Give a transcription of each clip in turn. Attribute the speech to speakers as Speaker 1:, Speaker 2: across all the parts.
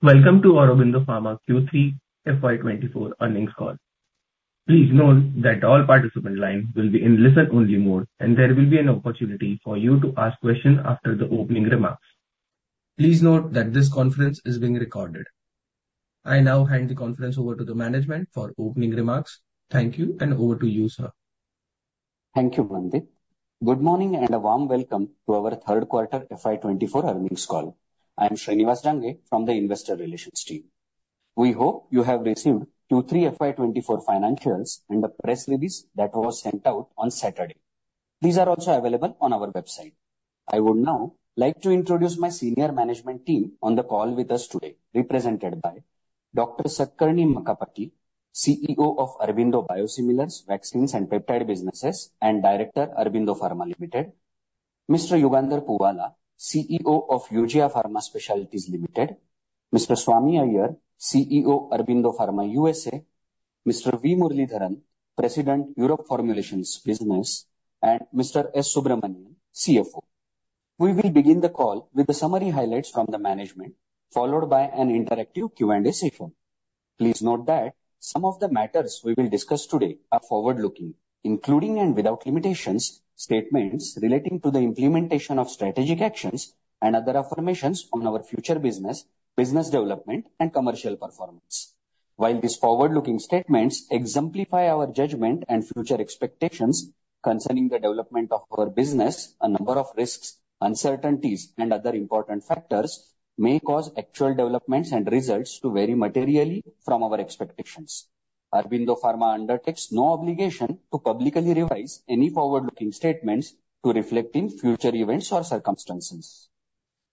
Speaker 1: Welcome to Aurobindo Pharma Q3 FY 2024 Earnings Call. Please note that all participant lines will be in listen-only mode, and there will be an opportunity for you to ask questions after the opening remarks. Please note that this conference is being recorded. I now hand the conference over to the management for opening remarks. Thank you, and over to you, sir.
Speaker 2: Thank you, Mandeep. Good morning, and a warm welcome to our third quarter FY 2024 Earnings Call. I am Srinivas Dandu from the investor relations team. We hope you have received Q3 FY 2024 financials and the press release that was sent out on Saturday. These are also available on our website. I would now like to introduce my senior management team on the call with us today, represented by Dr. Satakarni Makkapati, CEO of Aurobindo Biosimilars, Vaccines, and Peptide Businesses, and Director, Aurobindo Pharma Limited, Mr. Yugandhar Puvvala, CEO of Eugia Pharma Specialties Limited, Mr. Swami Iyer, CEO, Aurobindo Pharma USA, Mr. V. Muralidharan, President, Europe Formulations Business, and Mr. S. Subramanian, CFO. We will begin the call with the summary highlights from the management, followed by an interactive Q&A session. Please note that some of the matters we will discuss today are forward-looking, including and without limitations, statements relating to the implementation of strategic actions and other affirmations on our future business, business development, and commercial performance. While these forward-looking statements exemplify our judgment and future expectations concerning the development of our business, a number of risks, uncertainties, and other important factors may cause actual developments and results to vary materially from our expectations. Aurobindo Pharma undertakes no obligation to publicly revise any forward-looking statements to reflect in future events or circumstances.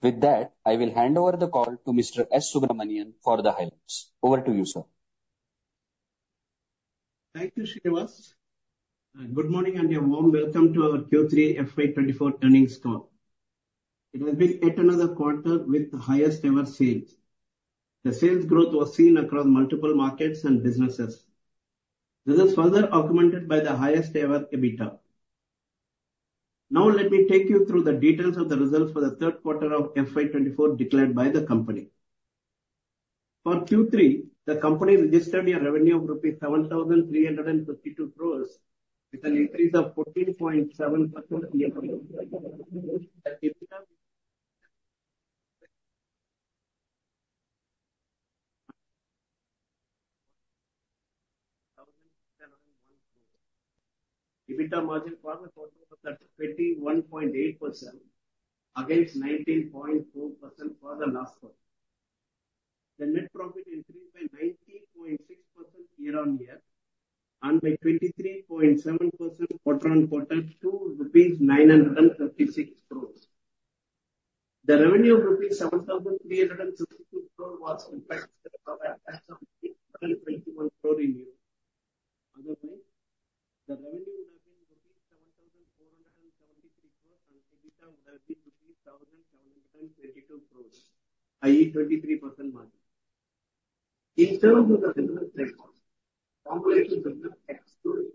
Speaker 2: With that, I will hand over the call to Mr. S. Subramanian for the highlights. Over to you, sir.
Speaker 3: Thank you, Srinivas. Good morning, and a warm welcome to our Q3 FY 2024 earnings call. It has been yet another quarter with the highest ever sales. The sales growth was seen across multiple markets and businesses. This is further augmented by the highest ever EBITDA. Now, let me take you through the details of the results for the third quarter of FY 2024 declared by the company. For Q3, the company registered a revenue of rupees 7,352 crore, with an increase of 14.7% year-on-year. EBITDA margin for the quarter was at 21.8%, against 19.4% for the last quarter. The net profit increased by 19.6% year-on-year and by 23.7% quarter-on-quarter to INR 936 crore. The revenue of INR 7,352 crore was impacted by EUR 21 crore. Otherwise, the revenue would have been INR 7,473 crore, and EBITDA would have been INR 7,732 crore, i.e., 33% margin. In terms of the general formulation business excluding...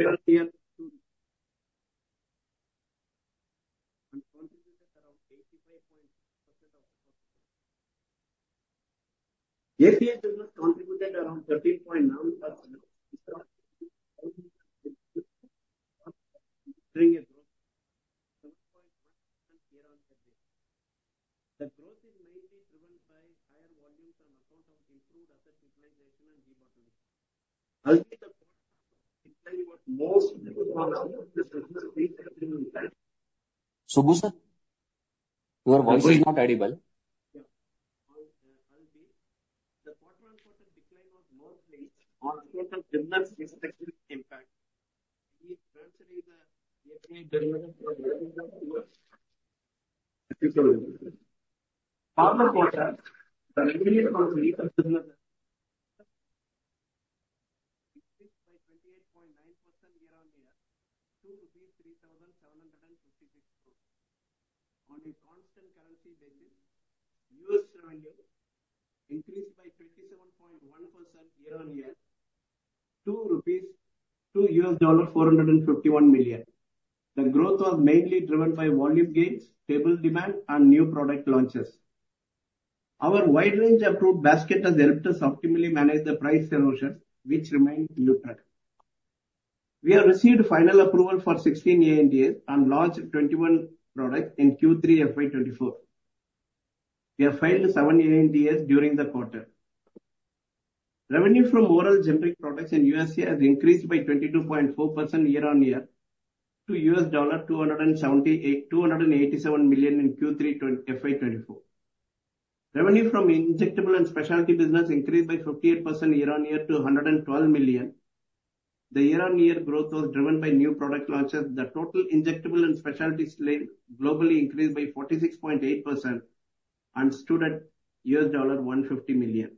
Speaker 3: and contributed around 85% of the business. API business contributed around 13.9% during a growth 7.1% year-on-year. The growth is mainly driven by higher volumes on account of improved asset utilization and debottleneck. Ultimately, the quarter most of the business-
Speaker 2: Subbu, sir, your voice is not audible.
Speaker 3: Yeah. On, albeit, the quarter-on-quarter decline of net rate on account of business mix actually impact. We consider the EBITDA margin for the last quarter. For the quarter, the revenue from formulations business increased by 28.9% year-on-year to INR 3,756 crore. On a constant currency basis, US revenue increased by 27.1% year-on-year to $451 million. The growth was mainly driven by volume gains, stable demand, and new product launches. Our wide range approved basket has helped us optimally manage the price erosion, which remained limited. We have received final approval for 16 ANDAs and launched 21 products in Q3 FY 2024. We have filed seven ANDAs during the quarter. Revenue from oral generic products in USA has increased by 22.4% year-on-year to $278.287 million in Q3 FY 2024. Revenue from injectable and specialty business increased by 58% year-on-year to $112 million. The year-on-year growth was driven by new product launches. The total injectable and specialty slate globally increased by 46.8% and stood at $150 million.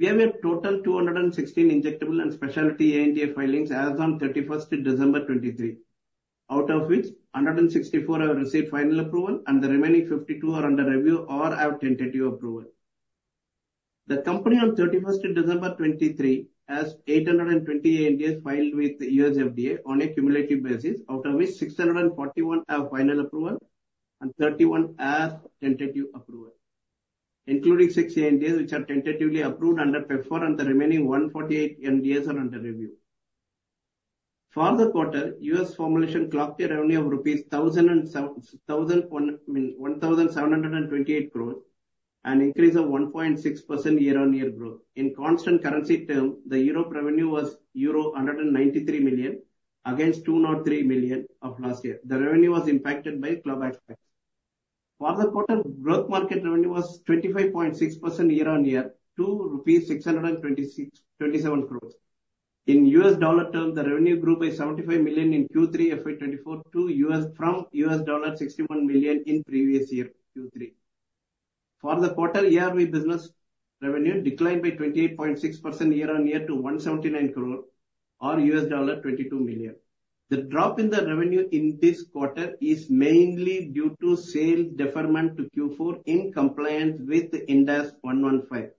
Speaker 3: We have a total 216 injectable and specialty ANDA filings as on 31st December 2023, out of which 164 have received final approval, and the remaining 52 are under review or have tentative approval. The company on 31st of December 2023, has 820 NDAs filed with the U.S. FDA on a cumulative basis, out of which 641 have final approval and 31 have tentative approval, including six NDAs, which are tentatively approved under PEPFAR, and the remaining 148 NDAs are under review. For the quarter, U.S. formulation clocked a revenue of rupees, I mean, 1,728 crores, an increase of 1.6% year-on-year growth. In constant currency term, the Europe revenue was euro 193 million, against 203 million of last year. The revenue was impacted by clawback effects. For the quarter, growth market revenue was 25.6% year-on-year to rupees 626.27 crore. In U.S. dollar terms, the revenue grew to $75 million in Q3 FY 2024 from $61 million in previous year Q3. For the quarter, ARV business revenue declined by 28.6% year-on-year to 179 crore or $22 million. The drop in the revenue in this quarter is mainly due to sales deferment to Q4 in compliance with Ind AS 115.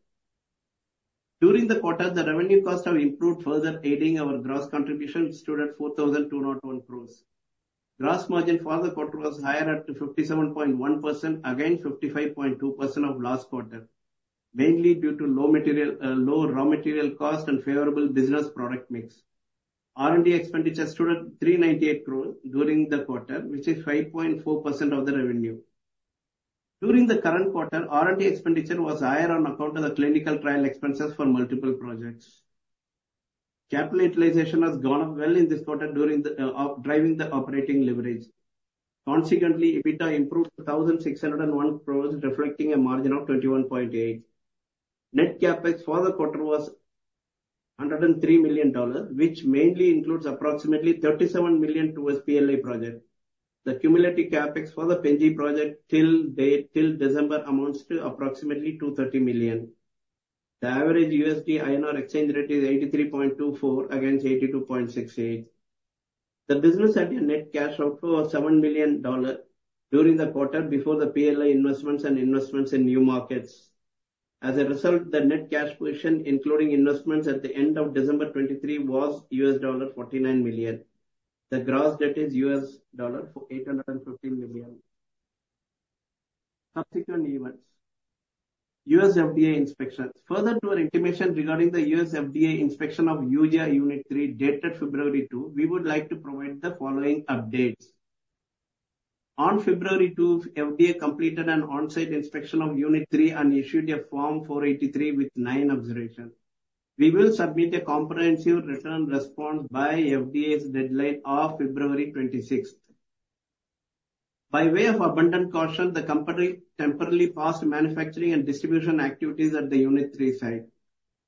Speaker 3: During the quarter, the revenue costs have improved, further aiding our gross contribution, stood at 4,201 crore. Gross margin for the quarter was higher at 57.1% against 55.2% of last quarter, mainly due to low raw material cost and favorable business product mix. R&D expenditures stood at 398 crore during the quarter, which is 5.4% of the revenue. During the current quarter, R&D expenditure was higher on account of the clinical trial expenses for multiple projects. Capital utilization has gone up well in this quarter during the operations driving the operating leverage. Consequently, EBITDA improved to 1,601 crore, reflecting a margin of 21.8%. Net CapEx for the quarter was $103 million, which mainly includes approximately $37 million towards PLI project. The cumulative CapEx for the Penicillin G project till date, till December, amounts to approximately $230 million. The average USD INR exchange rate is 83.24 against 82.68. The business had a net cash outflow of $7 million during the quarter before the PLI investments and investments in new markets. As a result, the net cash position, including investments at the end of December 2023, was $49 million. The gross debt is $815 million. Subsequent events. US FDA inspections. Further to our intimation regarding the US FDA inspection of Eugia Unit III, dated February 2, we would like to provide the following updates. On February 2, FDA completed an on-site inspection of Unit III and issued a Form 483 with nine observations. We will submit a comprehensive written response by FDA's deadline of February 26. By way of abundant caution, the company temporarily paused manufacturing and distribution activities at the Unit III site.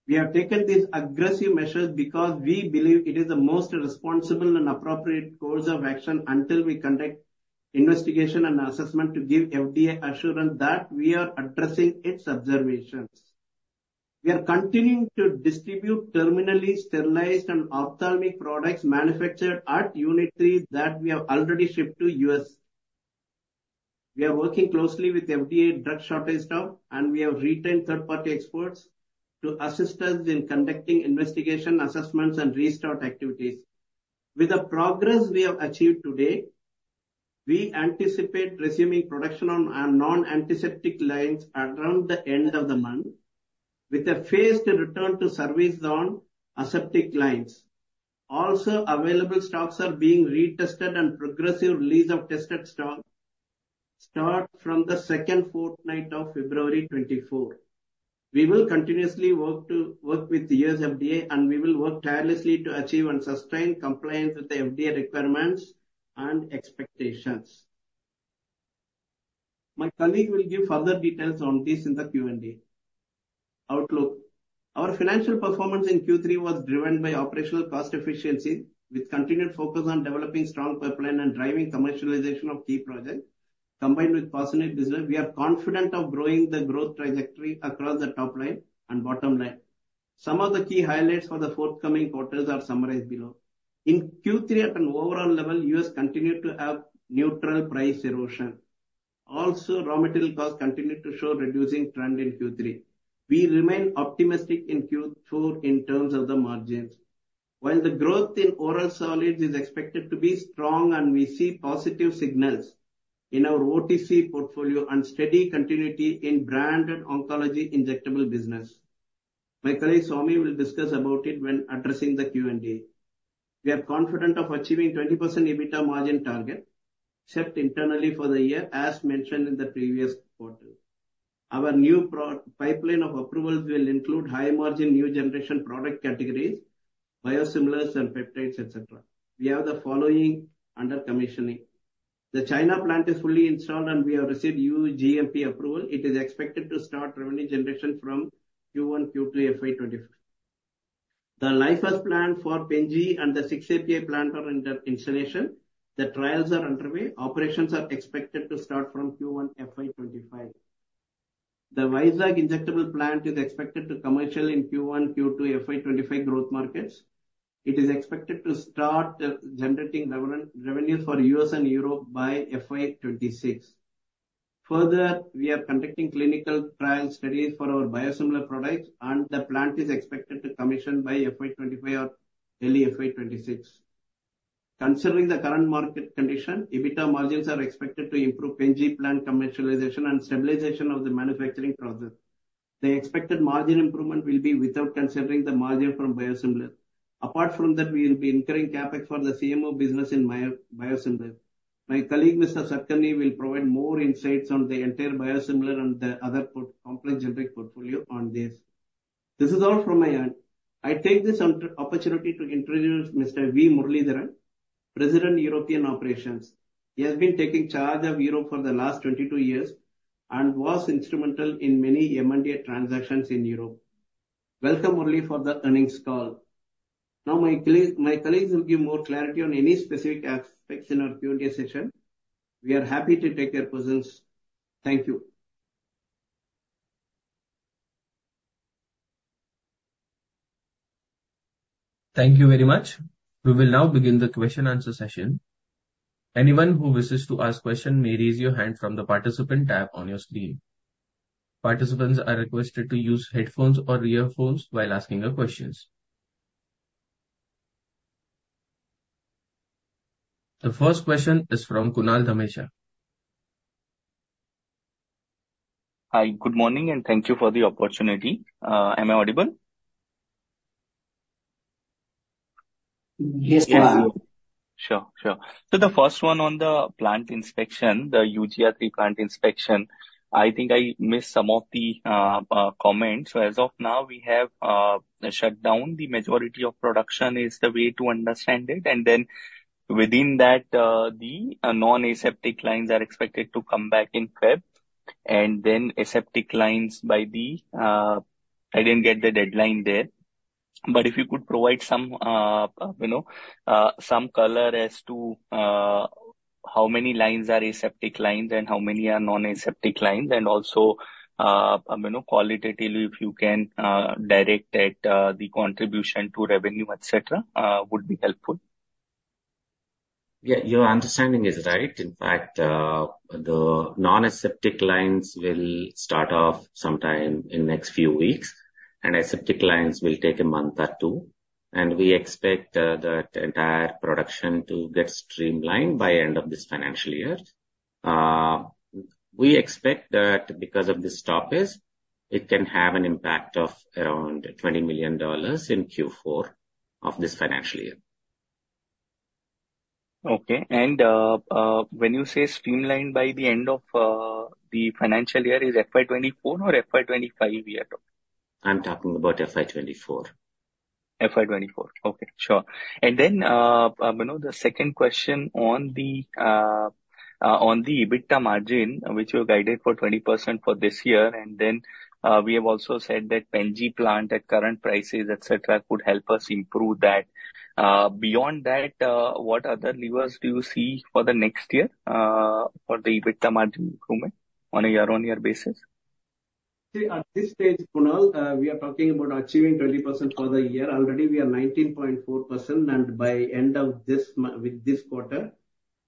Speaker 3: We have taken these aggressive measures because we believe it is the most responsible and appropriate course of action until we conduct investigation and assessment to give FDA assurance that we are addressing its observations. We are continuing to distribute terminally sterilized and ophthalmic products manufactured at Unit Three that we have already shipped to U.S. We are working closely with FDA Drug Shortage staff, and we have retained third-party experts to assist us in conducting investigation, assessments, and restart activities. With the progress we have achieved today, we anticipate resuming production on our non-aseptic lines around the end of the month, with a phased return to service on aseptic lines. Also, available stocks are being retested and progressive release of tested stock start from the second fortnight of February 2024. We will continuously work with the US FDA, and we will work tirelessly to achieve and sustain compliance with the FDA requirements and expectations. My colleague will give further details on this in the Q&A. Outlook. Our financial performance in Q3 was driven by operational cost efficiency, with continued focus on developing strong pipeline and driving commercialization of key projects. Combined with personal business, we are confident of growing the growth trajectory across the top line and bottom line. Some of the key highlights for the forthcoming quarters are summarized below. In Q3, at an overall level, US continued to have neutral price erosion. Also, raw material costs continued to show reducing trend in Q3. We remain optimistic in Q4 in terms of the margins. While the growth in oral solids is expected to be strong, and we see positive signals in our OTC portfolio and steady continuity in branded oncology injectable business. My colleague, Swami, will discuss about it when addressing the Q&A. We are confident of achieving 20% EBITDA margin target, set internally for the year, as mentioned in the previous quarter. Our new pro- pipeline of approvals will include high-margin, new-generation product categories, biosimilars and peptides, et cetera. We have the following under commissioning. The China plant is fully installed, and we have received cGMP approval. It is expected to start revenue generation from Q1, Q2 FY 2025. The Lyfius plant for Penicillin G and the six API plant are under installation. The trials are underway. Operations are expected to start from Q1 FY 2025. The Vizag injectable plant is expected to commercial in Q1, Q2 FY 2025 growth markets.... It is expected to start generating revenue for US and Europe by FY 2026. Further, we are conducting clinical trial studies for our biosimilar products, and the plant is expected to commission by FY 2025 or early FY 2026. Considering the current market condition, EBITDA margins are expected to improve Penicillin G plant commercialization and stabilization of the manufacturing process. The expected margin improvement will be without considering the margin from biosimilar. Apart from that, we will be incurring CapEx for the CMO business in bio, biosimilar. My colleague, Mr. Satakarni, will provide more insights on the entire biosimilar and the other port-complex generic portfolio on this. This is all from my end. I take this opportunity to introduce Mr. V. Muralidharan, President, European Operations. He has been taking charge of Europe for the last 22 years and was instrumental in many M&A transactions in Europe. Welcome, Murali, for the earnings call. Now, my colleagues will give more clarity on any specific aspects in our Q&A session. We are happy to take your questions. Thank you.
Speaker 1: Thank you very much. We will now begin the question and answer session. Anyone who wishes to ask question may raise your hand from the Participant tab on your screen. Participants are requested to use headphones or earphones while asking your questions. The first question is from Kunal Dhamesha.
Speaker 4: Hi, good morning, and thank you for the opportunity. Am I audible?
Speaker 3: Yes, we can hear you.
Speaker 4: Sure. Sure. So the first one on the plant inspection, the Eugia Unit III plant inspection, I think I missed some of the comments. So as of now, we have shut down the majority of production, is the way to understand it, and then within that, the non-aseptic lines are expected to come back in February, and then aseptic lines by the, I didn't get the deadline there. But if you could provide some, you know, some color as to how many lines are aseptic lines and how many are non-aseptic lines, and also, you know, qualitatively, if you can direct at the contribution to revenue, et cetera, would be helpful.
Speaker 5: Yeah, your understanding is right. In fact, the non-aseptic lines will start off sometime in next few weeks, and aseptic lines will take a month or two, and we expect, the entire production to get streamlined by end of this financial year. We expect that because of the stoppage, it can have an impact of around $20 million in Q4 of this financial year.
Speaker 4: Okay, and when you say streamlined by the end of the financial year, is FY 24 or FY 25 we are talking?
Speaker 5: I'm talking about FY 2024.
Speaker 4: FY 2024. Okay, sure. And then, you know, the second question on the, on the EBITDA margin, which you guided for 20% for this year, and then, we have also said that Pen G plant at current prices, et cetera, could help us improve that. Beyond that, what other levers do you see for the next year, for the EBITDA margin improvement on a year-on-year basis?
Speaker 3: See, at this stage, Kunal, we are talking about achieving 20% for the year. Already we are 19.4%, and by end of this with this quarter,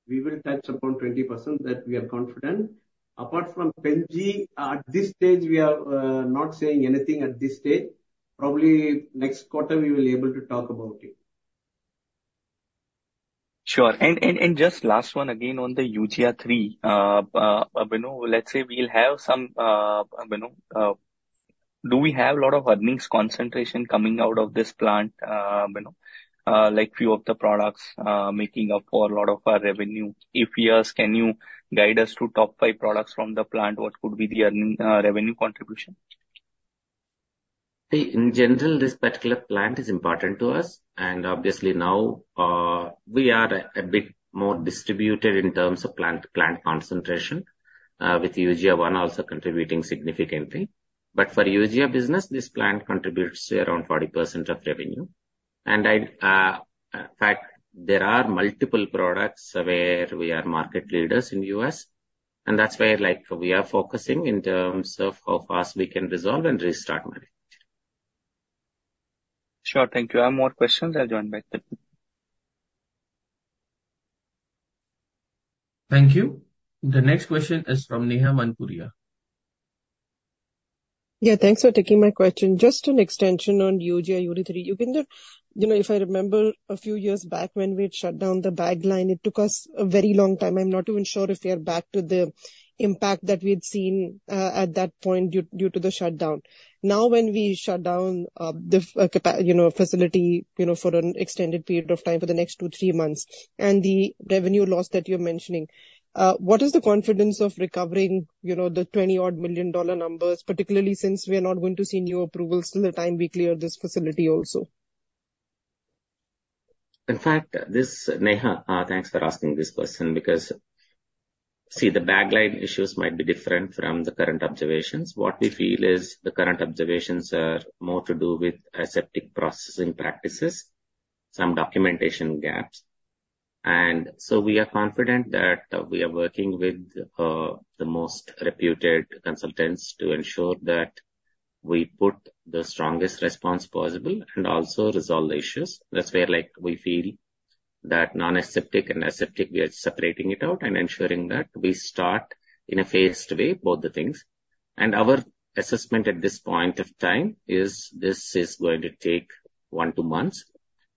Speaker 3: we will touch upon 20%, that we are confident. Apart from Penicillin G, at this stage, we are not saying anything at this stage. Probably next quarter we will be able to talk about it.
Speaker 4: Sure. And just last one again on the Eugia Unit III. You know, let's say we'll have some, you know. Do we have a lot of earnings concentration coming out of this plant, you know, like, few of the products, making up for a lot of our revenue? If yes, can you guide us to top five products from the plant, what could be the earning, revenue contribution?
Speaker 5: See, in general, this particular plant is important to us, and obviously now, we are a bit more distributed in terms of plant, plant concentration, with Eugia Unit I also contributing significantly. But for Eugia business, this plant contributes around 40% of revenue. And I, in fact, there are multiple products where we are market leaders in the U.S., and that's where, like, we are focusing in terms of how fast we can resolve and restart manufacturing.
Speaker 4: Sure. Thank you. I have more questions. I'll join back then.
Speaker 1: Thank you. The next question is from Neha Manpuria.
Speaker 6: Yeah, thanks for taking my question. Just an extension on Eugia Unit III. You know, if I remember a few years back when we had shut down the bag line, it took us a very long time. I'm not even sure if we are back to the impact that we had seen at that point due to the shutdown. Now, when we shut down the, you know, facility for an extended period of time, for the next two, three months, and the revenue loss that you're mentioning, what is the confidence of recovering, you know, the $20-odd million numbers, particularly since we are not going to see new approvals till the time we clear this facility also?
Speaker 5: In fact, this, Neha, thanks for asking this question, because, see, the bag line issues might be different from the current observations. What we feel is the current observations are more to do with aseptic processing practices, some documentation gaps. And so we are confident that we are working with the most reputed consultants to ensure that we put the strongest response possible and also resolve the issues. That's where, like, we feel that non-aseptic and aseptic, we are separating it out and ensuring that we start in a phased way, both the things. And our assessment at this point of time is this is going to take one to months,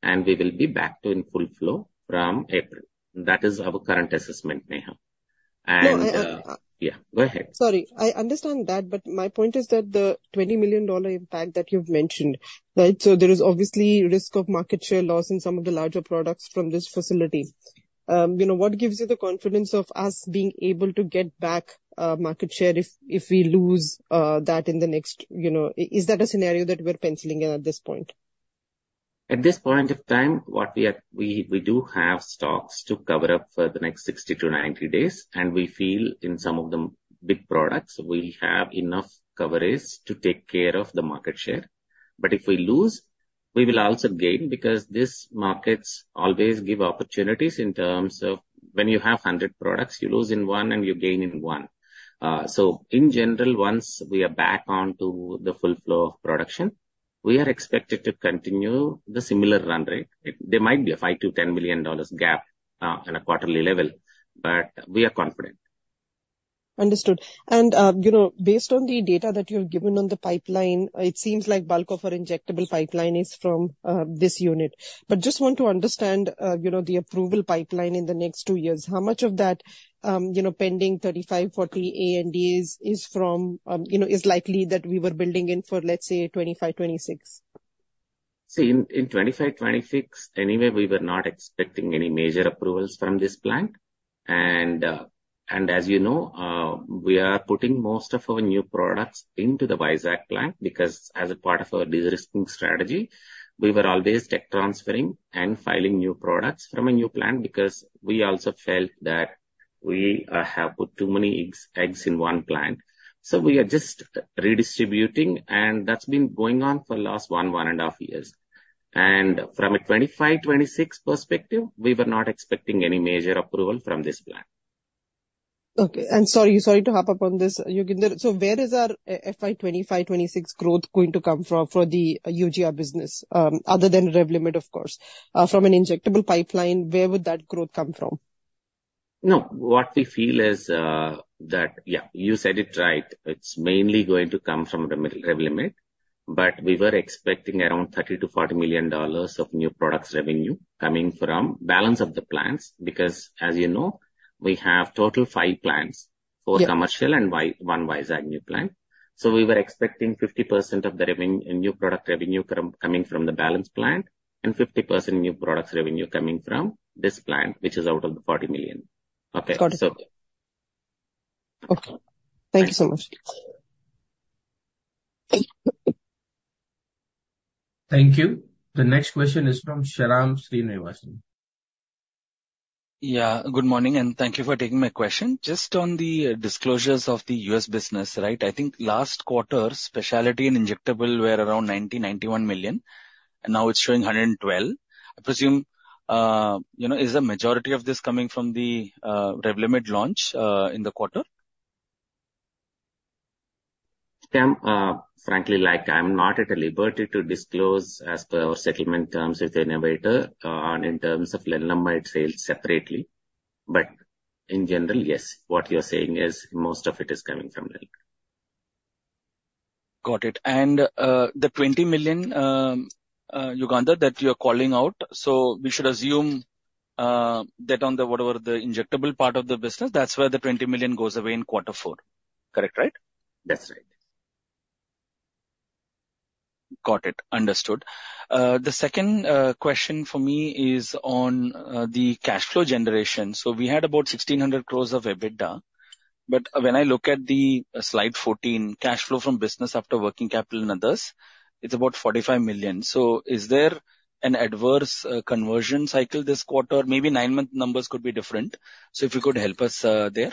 Speaker 5: and we will be back to in full flow from April. That is our current assessment, Neha. And-
Speaker 6: No, I-
Speaker 5: Yeah, go ahead.
Speaker 6: Sorry. I understand that, but my point is that the $20 million impact that you've mentioned, right? So there is obviously risk of market share loss in some of the larger products from this facility. You know, what gives you the confidence of us being able to get back market share if we lose that in the next, you know... Is that a scenario that we're penciling in at this point?
Speaker 5: At this point of time, what we are, we do have stocks to cover up for the next 60-90 days, and we feel in some of the big products, we have enough coverages to take care of the market share. But if we lose, we will also gain, because these markets always give opportunities in terms of when you have 100 products, you lose in one and you gain in one. So in general, once we are back on to the full flow of production, we are expected to continue the similar run rate. There might be a $5 million-$10 million gap in a quarterly level, but we are confident.
Speaker 6: Understood. And, you know, based on the data that you have given on the pipeline, it seems like bulk of our injectable pipeline is from, this unit. But just want to understand, you know, the approval pipeline in the next two years. How much of that, you know, pending 35-40 ANDAs is from, you know, is likely that we were building in for, let's say, 2025, 2026?
Speaker 5: See, in 2025, 2026, anyway, we were not expecting any major approvals from this plant. And as you know, we are putting most of our new products into the Vizag plant, because as a part of our de-risking strategy, we were always tech transferring and filing new products from a new plant, because we also felt that we have put too many eggs in one plant. So we are just redistributing, and that's been going on for last one and a half years. And from a 2025, 2026 perspective, we were not expecting any major approval from this plant.
Speaker 6: Okay. And sorry, sorry to hop up on this, Yugandhar. So where is our FY 2025, 2026 growth going to come from for the Eugia business, other than Revlimid, of course? From an injectable pipeline, where would that growth come from?
Speaker 5: No, what we feel is, that... Yeah, you said it right. It's mainly going to come from the Revlimid, but we were expecting around $30 million-$40 million of new products revenue coming from balance of the plants, because, as you know, we have total five plants-
Speaker 6: Yeah.
Speaker 5: Four commercial and one Vizag new plant. So we were expecting 50% of the new product revenue coming from the balance plant, and 50% new products revenue coming from this plant, which is out of the 40 million. Okay, so-
Speaker 6: Got it. Okay. Thank you so much.
Speaker 3: Thank you. The next question is from Shyam Srinivasan.
Speaker 7: Yeah, good morning, and thank you for taking my question. Just on the disclosures of the US business, right? I think last quarter, specialty and injectable were around $90-$91 million, and now it's showing $112. I presume, you know, is the majority of this coming from the, Revlimid launch, in the quarter?
Speaker 5: Sam, frankly, like, I'm not at liberty to disclose as per our settlement terms with the innovator, on in terms of Len number, it sells separately. But in general, yes, what you're saying is most of it is coming from Len.
Speaker 7: Got it. And, the 20 million, Yugandhar, that you are calling out, so we should assume, that on the whatever the injectable part of the business, that's where the 20 million goes away in quarter four, correct, right?
Speaker 5: That's right.
Speaker 7: Got it. Understood. The second question for me is on the cash flow generation. So we had about 1,600 crores of EBITDA, but when I look at the slide 14, cash flow from business after working capital and others, it's about $45 million. So is there an adverse conversion cycle this quarter? Maybe nine month numbers could be different. So if you could help us there.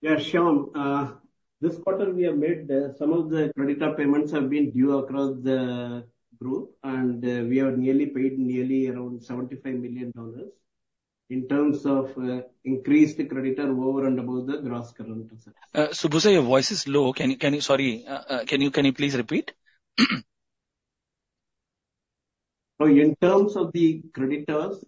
Speaker 3: Yeah, Shyam, this quarter we have made some of the creditor payments have been due across the group, and we have nearly paid nearly around $75 million in terms of increased creditor over and above the gross current assets.
Speaker 7: Subbu sir, your voice is low. Can you please repeat? Sorry, can you please repeat?
Speaker 3: So in terms of the creditors,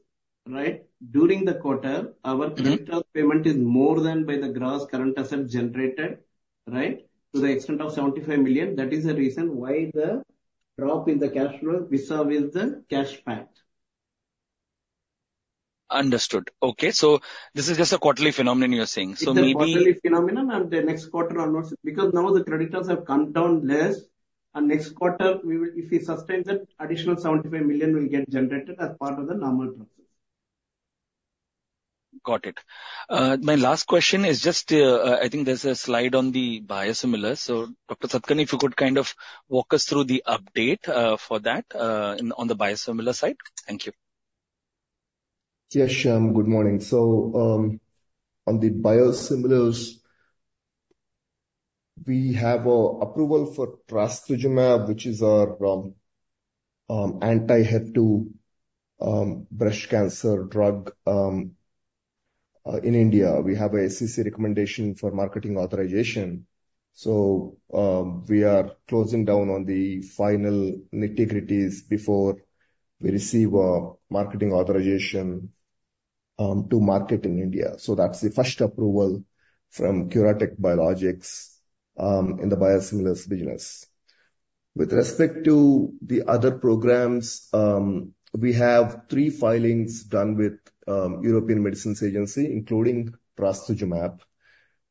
Speaker 3: right, during the quarter-
Speaker 7: Mm-hmm.
Speaker 3: Our creditor payment is more than by the gross current asset generated, right, to the extent of 75 million. That is the reason why the drop in the cash flow vis-à-vis the cash flow.
Speaker 7: Understood. Okay, so this is just a quarterly phenomenon, you're saying. So maybe-
Speaker 3: It's a quarterly phenomenon, and the next quarter onwards, because now the creditors have come down less, and next quarter, we will- if we sustain that, additional $75 million will get generated as part of the normal process.
Speaker 7: Got it. My last question is just, I think there's a slide on the biosimilar. So Dr. Satakarni, if you could kind of walk us through the update, for that, on the biosimilar side. Thank you.
Speaker 8: Yes, Shyam, good morning. On the biosimilars. We have a approval for trastuzumab, which is our anti-HER2 breast cancer drug in India. We have a SEC recommendation for marketing authorization. We are closing down on the final nitty-gritties before we receive a marketing authorization to market in India. That's the first approval from CuraTeQ Biologics in the biosimilars business. With respect to the other programs, we have three filings done with European Medicines Agency, including trastuzumab.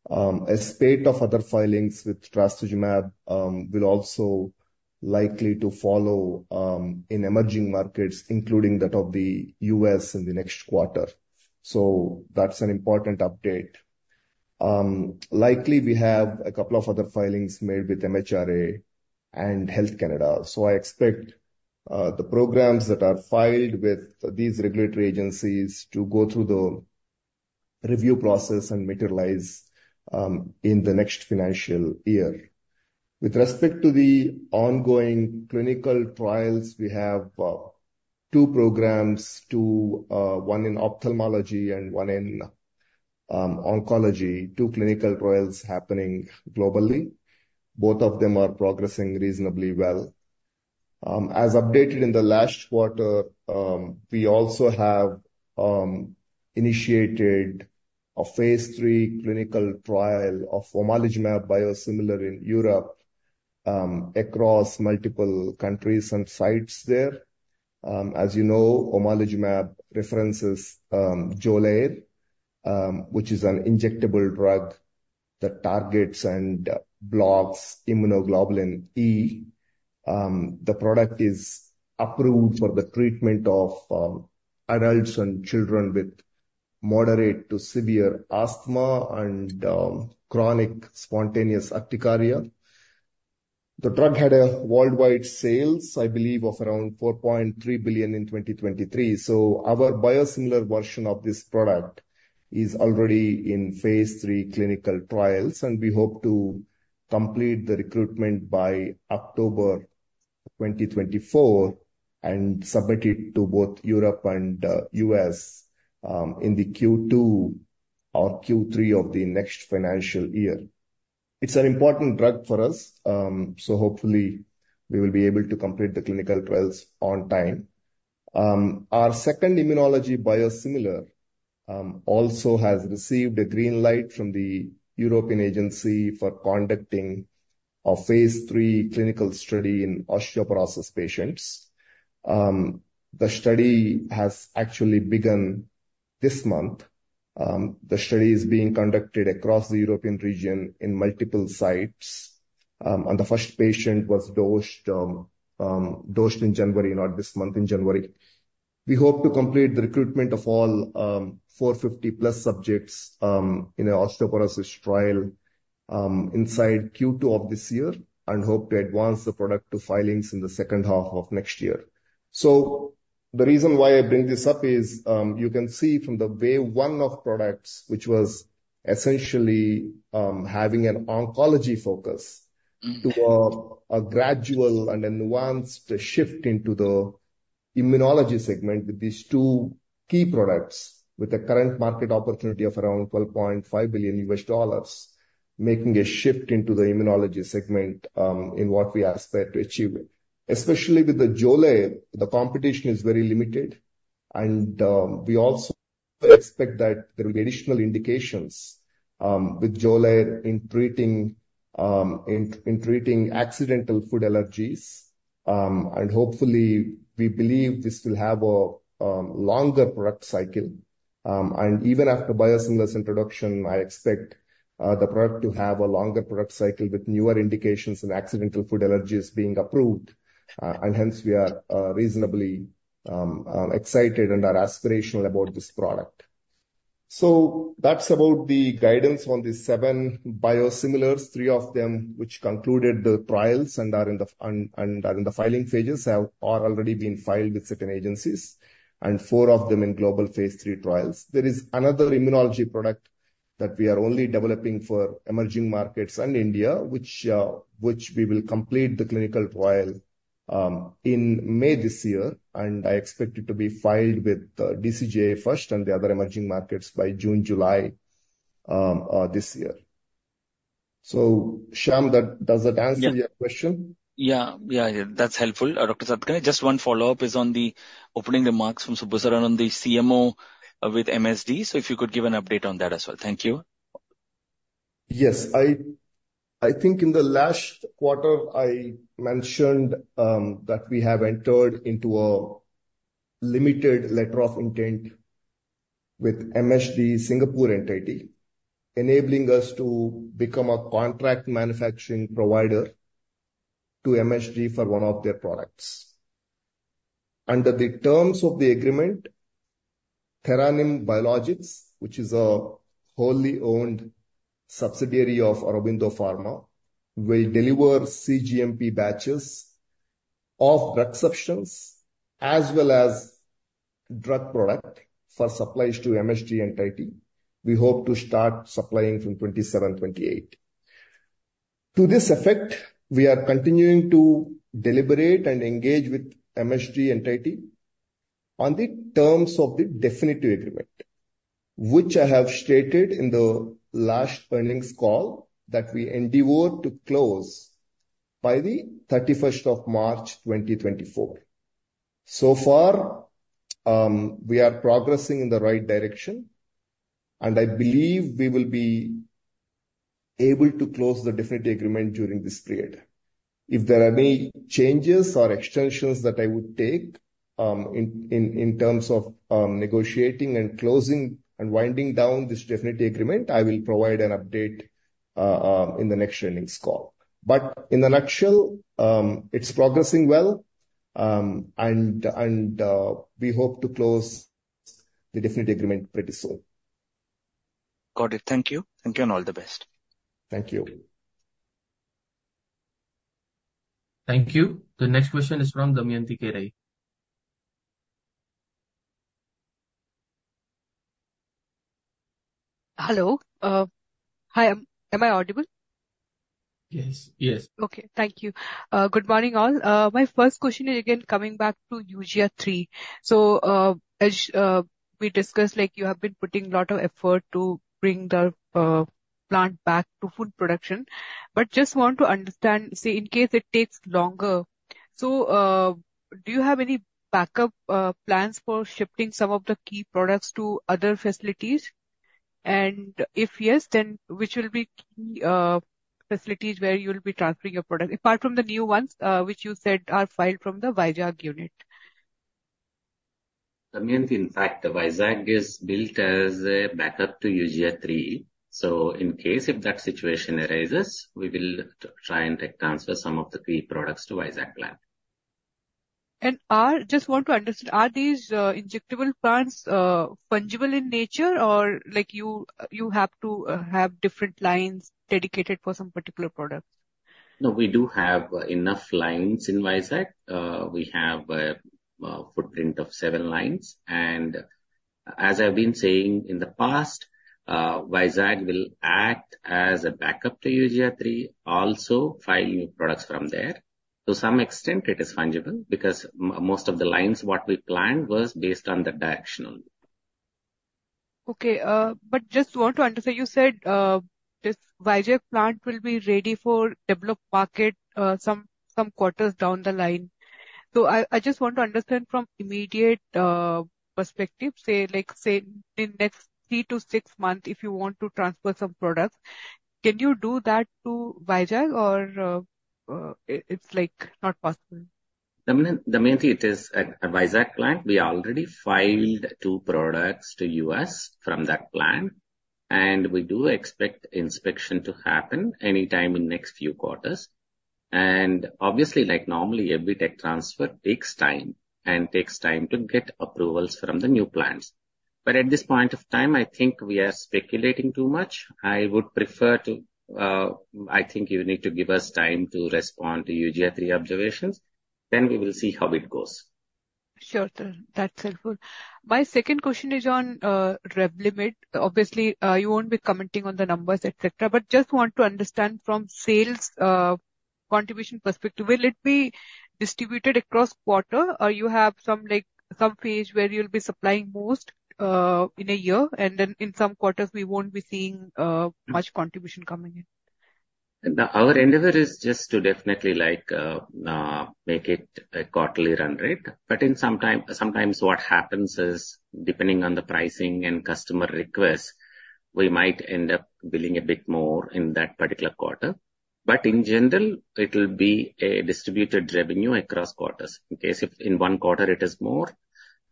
Speaker 8: A spate of other filings with trastuzumab will also likely to follow in emerging markets, including that of the U.S., in the next quarter. That's an important update. Likely we have a couple of other filings made with MHRA and Health Canada. So I expect the programs that are filed with these regulatory agencies to go through the review process and materialize in the next financial year. With respect to the ongoing clinical trials, we have two programs, two, one in ophthalmology and one in oncology. Two clinical trials happening globally. Both of them are progressing reasonably well. As updated in the last quarter, we also have initiated a Phase III clinical trial of omalizumab biosimilar in Europe across multiple countries and sites there. As you know, omalizumab references Xolair, which is an injectable drug that targets and blocks immunoglobulin E. The product is approved for the treatment of adults and children with moderate to severe asthma and chronic spontaneous urticaria. The drug had worldwide sales, I believe, of around $4.3 billion in 2023. So our biosimilar version of this product is already in Phase III clinical trials, and we hope to complete the recruitment by October 2024, and submit it to both Europe and U.S. in the Q2 or Q3 of the next financial year. It's an important drug for us, so hopefully we will be able to complete the clinical trials on time. Our second immunology biosimilar also has received a green light from the European Agency for conducting a Phase III clinical study in osteoporosis patients. The study has actually begun this month. The study is being conducted across the European region in multiple sites, and the first patient was dosed in January, not this month, in January. We hope to complete the recruitment of all, 450+ subjects, in our osteoporosis trial, inside Q2 of this year, and hope to advance the product to filings in the second half of next year. So the reason why I bring this up is, you can see from the wave one of products, which was essentially, having an oncology focus, to, a gradual and enhanced shift into the immunology segment with these two key products, with a current market opportunity of around $12.5 billion, making a shift into the immunology segment, in what we aspire to achieve. Especially with the Xolair, the competition is very limited, and, we also expect that there will be additional indications, with Xolair in treating accidental food allergies. And hopefully, we believe this will have a longer product cycle. And even after biosimilars introduction, I expect the product to have a longer product cycle with newer indications in accidental food allergies being approved. And hence we are reasonably excited and are aspirational about this product. So that's about the guidance on the seven biosimilars, three of them which concluded the trials and are in the filing phases, have already been filed with certain agencies, and four of them in global Phase III trials. There is another immunology product that we are only developing for emerging markets and India, which we will complete the clinical trial in May this year, and I expect it to be filed with DCGI first and the other emerging markets by June, July this year. So, Shyam, does that answer your question?
Speaker 7: Yeah. Yeah, yeah, that's helpful, Dr. Satakarni Makkapati. Just one follow-up is on the opening remarks from Subbu on the CMO with MSD. So if you could give an update on that as well. Thank you.
Speaker 8: Yes. I, I think in the last quarter, I mentioned, that we have entered into a limited letter of intent with MSD Singapore entity, enabling us to become a contract manufacturing provider to MSD for one of their products. Under the terms of the agreement, Theron Biologics, which is a wholly owned subsidiary of Aurobindo Pharma, will deliver cGMP batches of drug substances as well as drug product for supplies to MSD entity. We hope to start supplying from 2027, 2028. To this effect, we are continuing to deliberate and engage with MSD entity on the terms of the definitive agreement, which I have stated in the last earnings call, that we endeavor to close by the 31st of March, 2024. So far, we are progressing in the right direction, and I believe we will be able to close the definitive agreement during this period. If there are any changes or extensions that I would take, in terms of negotiating and closing and winding down this definitive agreement, I will provide an update, in the next earnings call. But in a nutshell, it's progressing well, and we hope to close the definitive agreement pretty soon.
Speaker 7: Got it. Thank you. Thank you, and all the best.
Speaker 8: Thank you.
Speaker 1: Thank you. The next question is from Damayanti Kerai.
Speaker 9: Hello. Hi, am I audible?
Speaker 8: Yes. Yes.
Speaker 9: Okay. Thank you. Good morning, all. My first question is again, coming back to Eugia Unit III. So, as we discussed, like, you have been putting a lot of effort to bring the plant back to full production, but just want to understand, say, in case it takes longer, so, do you have any backup plans for shifting some of the key products to other facilities? And if yes, then which will be key facilities where you'll be transferring your product, apart from the new ones, which you said are filed from the Vizag unit?
Speaker 5: Damayanti, in fact, the Vizag is built as a backup to Eugia Unit III. So in case if that situation arises, we will try and transfer some of the key products to Vizag lab.
Speaker 9: Just want to understand, are these injectable plants fungible in nature, or like you, you have to have different lines dedicated for some particular products?
Speaker 5: No, we do have enough lines in Vizag. We have a footprint of seven lines, and as I've been saying in the past, Vizag will act as a backup to Eugia Unit III, also file new products from there. To some extent it is fungible, because most of the lines, what we planned was based on the directional.
Speaker 9: Okay, but just want to understand, you said, this Vizag plant will be ready for developed market, some quarters down the line. So I just want to understand from immediate perspective, say, like, say, in next three to six months, if you want to transfer some products, can you do that to Vizag or, it's, like, not possible?
Speaker 5: Damayanti, Damayanti, it is a Vizag plant. We already filed two products to U.S. from that plant, and we do expect inspection to happen anytime in next few quarters. And obviously, like normally, every tech transfer takes time and takes time to get approvals from the new plants. But at this point of time, I think we are speculating too much. I would prefer to, I think you need to give us time to respond to Eugia Unit III observations, then we will see how it goes.
Speaker 9: Sure, sir. That's helpful. My second question is on Revlimid. Obviously, you won't be commenting on the numbers, et cetera, but just want to understand from sales contribution perspective, will it be distributed across quarter, or you have some, like, some phase where you'll be supplying most in a year, and then in some quarters we won't be seeing much contribution coming in?
Speaker 5: Our endeavor is just to definitely, like, make it a quarterly run rate. But sometimes what happens is, depending on the pricing and customer requests, we might end up billing a bit more in that particular quarter. But in general, it'll be a distributed revenue across quarters. In case if in one quarter it is more,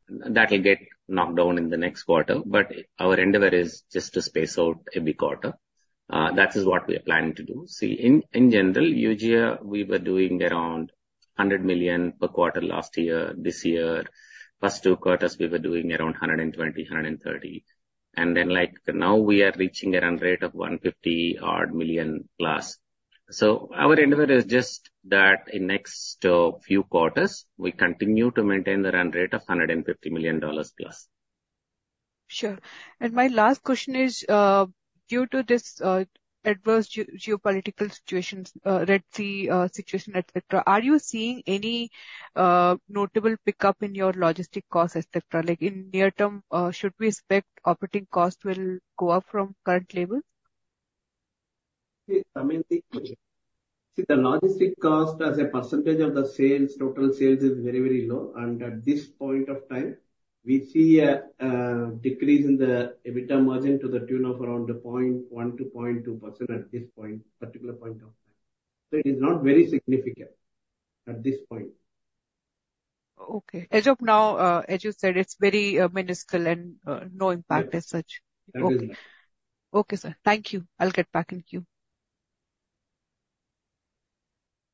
Speaker 5: that'll get knocked down in the next quarter. But our endeavor is just to space out every quarter. That is what we are planning to do. See, in general, Eugia, we were doing around $100 million per quarter last year. This year, first two quarters, we were doing around $120-$130. And then, like, now we are reaching a run rate of 150-odd million plus. Our endeavor is just that in next few quarters, we continue to maintain the run rate of $150 million plus.
Speaker 9: Sure. And my last question is, due to this, adverse geopolitical situations, Red Sea, situation, et cetera, are you seeing any, notable pickup in your logistic costs, et cetera? Like, in near term, should we expect operating costs will go up from current levels?
Speaker 8: See, Damayanti, see, the logistics cost as a percentage of the sales, total sales, is very, very low, and at this point of time, we see a decrease in the EBITDA margin to the tune of around 0.1%-0.2% at this point, particular point of time. So it is not very significant at this point.
Speaker 9: Okay. As of now, as you said, it's very, minuscule and, no impact as such.
Speaker 8: Yes.
Speaker 9: Okay. Okay, sir. Thank you. I'll get back in queue.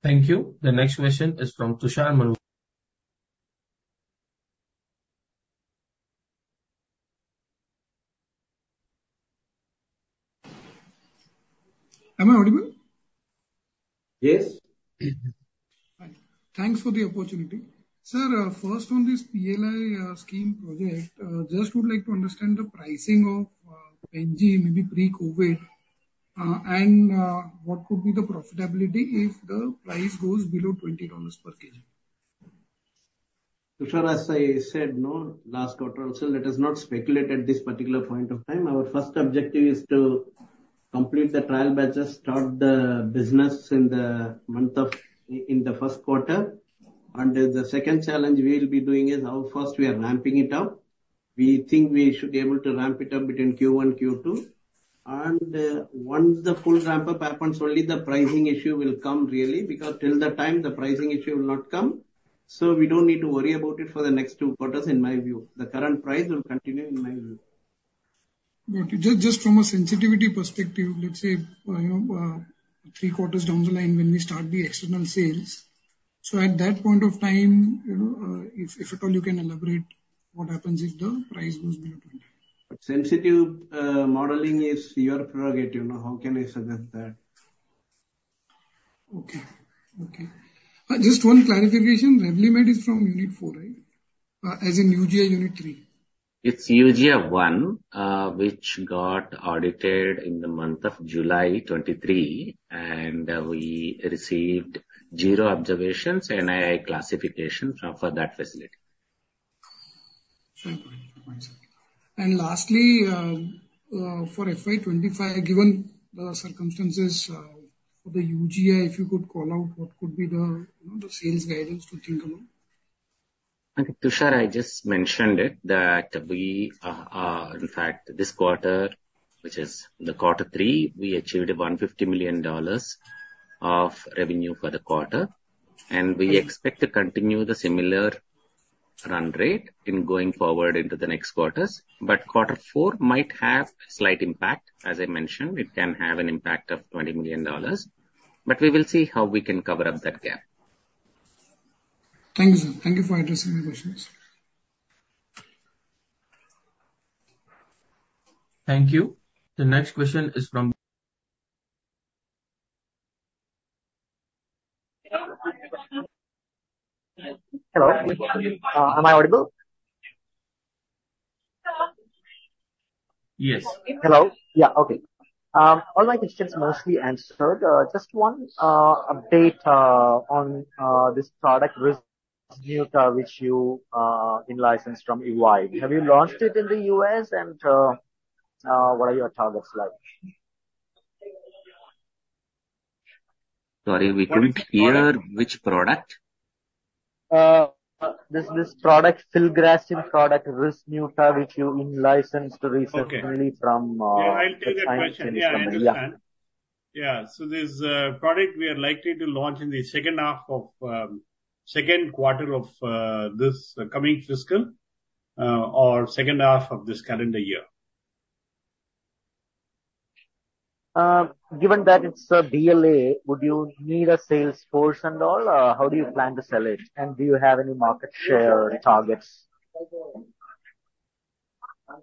Speaker 1: Thank you. The next question is from Tushar Manu-...
Speaker 10: Am I audible?
Speaker 11: Yes.
Speaker 10: Fine. Thanks for the opportunity. Sir, first on this PLI scheme project, just would like to understand the pricing of Pen G, maybe pre-COVID, and what could be the profitability if the price goes below $20 per kg?
Speaker 11: Tushar, as I said, no, last quarter also, let us not speculate at this particular point of time. Our first objective is to complete the trial batches, start the business in the month of, in the first quarter. And the second challenge we will be doing is, how fast we are ramping it up. We think we should be able to ramp it up between Q1, Q2. And, once the full ramp-up happens, only the pricing issue will come, really, because till that time, the pricing issue will not come, so we don't need to worry about it for the next two quarters, in my view. The current price will continue, in my view.
Speaker 10: But just, just from a sensitivity perspective, let's say, you know, three quarters down the line when we start the external sales, so at that point of time, you know, if, if at all you can elaborate, what happens if the price goes below $20?
Speaker 11: Sensitive, modeling is your prerogative, you know, how can I suggest that?
Speaker 10: Okay. Okay. Just one clarification, revenue made is from Unit Four, right? As in Eugia Unit III.
Speaker 11: It's Eugia Unit I, which got audited in the month of July 2023, and we received zero observations and II classification for that facility.
Speaker 10: Fair point. Thank you, sir. And lastly, for FY 2025, given the circumstances, for the Eugia, if you could call out, what could be the, you know, the sales guidance to think about?
Speaker 11: Okay, Tushar, I just mentioned it, that we, in fact, this quarter, which is the quarter three, we achieved $150 million of revenue for the quarter, and we expect to continue the similar run rate in going forward into the next quarters. But quarter four might have slight impact. As I mentioned, it can have an impact of $20 million, but we will see how we can cover up that gap.
Speaker 10: Thank you, sir. Thank you for addressing my questions.
Speaker 11: Thank you. The next question is from-
Speaker 12: Hello. Am I audible?
Speaker 11: Yes.
Speaker 12: Hello? Yeah. Okay. All my questions mostly answered. Just one update on this product, Ryzneuta, which you in-licensed from Evive. Have you launched it in the U.S.? And what are your targets like?
Speaker 11: Sorry, we couldn't hear. Which product?
Speaker 12: This filgrastim product, Ryzneuta, which you in-licensed recently from,
Speaker 11: Okay. Yeah, I'll take that question.
Speaker 12: Yeah.
Speaker 11: Yeah, I understand. Yeah. So this product, we are likely to launch in the second half of second quarter of this coming fiscal or second half of this calendar year.
Speaker 12: Given that it's a BLA, would you need a sales force and all, or how do you plan to sell it? And do you have any market share targets?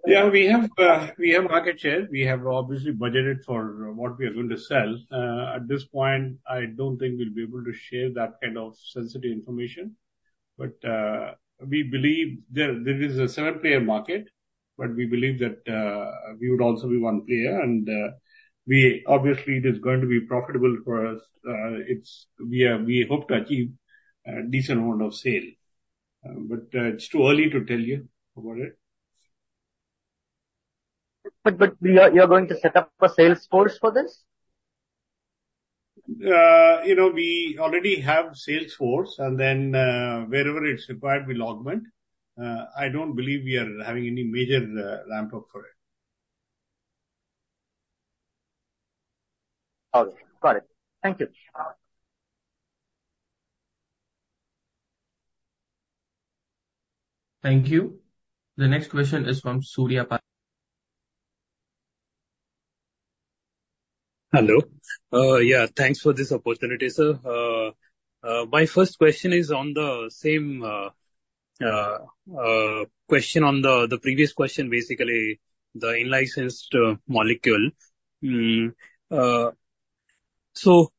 Speaker 11: Yeah, we have, we have market share. We have obviously budgeted for what we are going to sell. At this point, I don't think we'll be able to share that kind of sensitive information. But, we believe there, there is a seven player market, but we believe that, we would also be one player, and, we obviously it is going to be profitable for us. It's... we hope to achieve a decent amount of sale, but, it's too early to tell you about it.
Speaker 12: But you are going to set up a sales force for this?
Speaker 11: You know, we already have sales force, and then, wherever it's required, we'll augment. I don't believe we are having any major ramp-up for it.
Speaker 12: Okay. Got it. Thank you.
Speaker 1: Thank you. The next question is from Surya Pa-
Speaker 13: Hello. Yeah, thanks for this opportunity, sir. My first question is on the same question on the previous question, basically, the in-licensed molecule. So,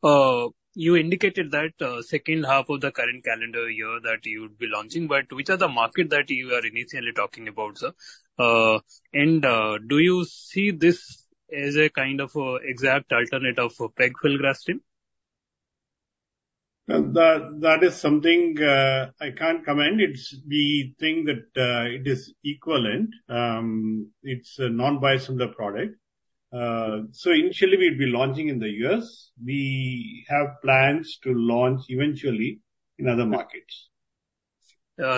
Speaker 13: you indicated that second half of the current calendar year, that you would be launching, but which are the market that you are initially talking about, sir? And, do you see this as a kind of exact alternate of pegfilgrastim?
Speaker 11: That, that is something I can't comment. It's- We think that it is equivalent. It's a non-biosimilar product. So initially we'll be launching in the U.S. We have plans to launch eventually in other markets.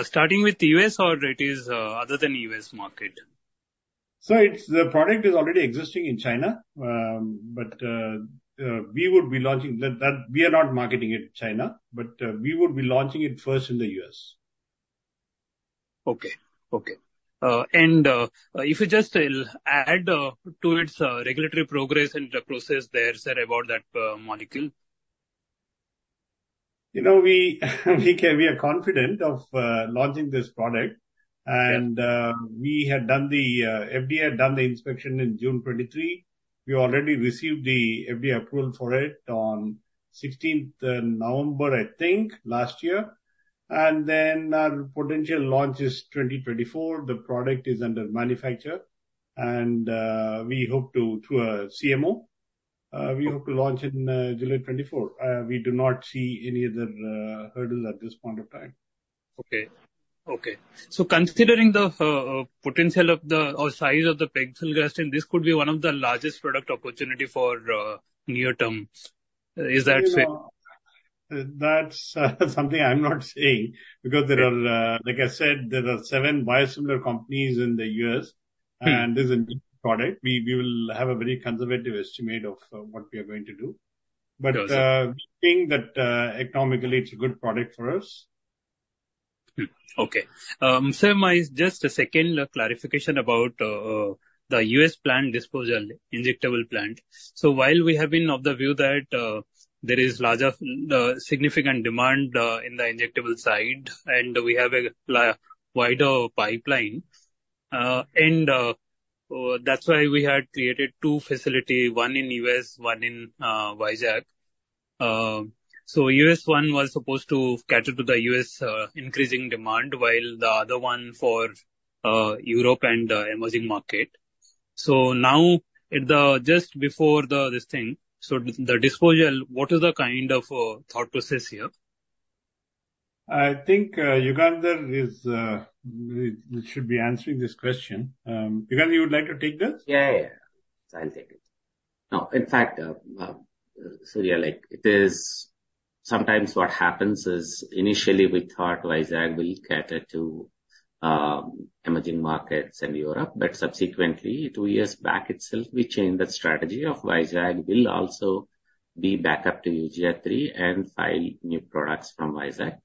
Speaker 13: Starting with U.S., or it is, other than U.S. market?
Speaker 11: So it's the product is already existing in China, but we would be launching. That we are not marketing it China, but we would be launching it first in the U.S.
Speaker 13: Okay. Okay. And if you just add to its regulatory progress and the process there, sir, about that molecule?...
Speaker 14: You know, we can, we are confident of launching this product. FDA had done the inspection in June 2023. We already received the FDA approval for it on 16th November, I think, last year. And then our potential launch is 2024. The product is under manufacture, and we hope to, through CMO, we hope to launch in July 2024. We do not see any other hurdles at this point of time.
Speaker 13: Okay. Okay. So considering the potential of the, or size of the Pegfilgrastim, this could be one of the largest product opportunity for near term. Is that safe?
Speaker 14: That's something I'm not saying, because there are, like I said, there are seven biosimilar companies in the U.S., and this is a new product. We will have a very conservative estimate of what we are going to do.
Speaker 13: Okay.
Speaker 14: But, we think that, economically, it's a good product for us.
Speaker 13: Okay. Sir, just a second clarification about the U.S. plant disposal, injectable plant. So while we have been of the view that there is larger significant demand in the injectable side, and we have a wider pipeline, and that's why we had created two facility, one in U.S., one in Vizag. So U.S. one was supposed to cater to the U.S. increasing demand, while the other one for Europe and emerging market. So now, just before this thing, so the disposal, what is the kind of thought process here?
Speaker 14: I think Yugandhar should be answering this question. Yugandhar, would you like to take this?
Speaker 5: Yeah, yeah. I'll take it. Now, in fact, Surya, like, it is sometimes what happens is, initially we thought Vizag will cater to emerging markets and Europe, but subsequently, two years back itself, we changed that strategy of Vizag will also be back up to Eugia Unit III and file new products from Vizag.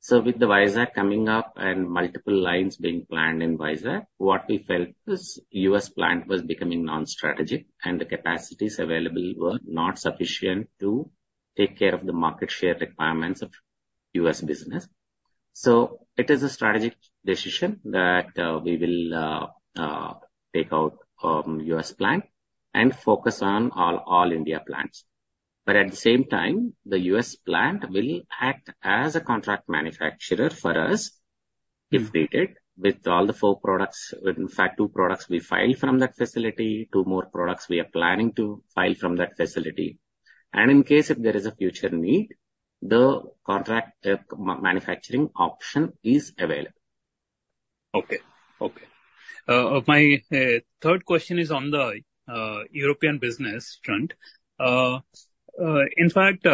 Speaker 5: So with the Vizag coming up and multiple lines being planned in Vizag, what we felt is, US plant was becoming non-strategic, and the capacities available were not sufficient to take care of the market share requirements of US business. So it is a strategic decision that we will take out US plant and focus on our all India plants. But at the same time, the US plant will act as a contract manufacturer for us, if needed, with all the four products, with in fact, two products we filed from that facility, two more products we are planning to file from that facility. And in case if there is a future need, the contract manufacturing option is available.
Speaker 13: Okay. Okay. My third question is on the European business front. In fact,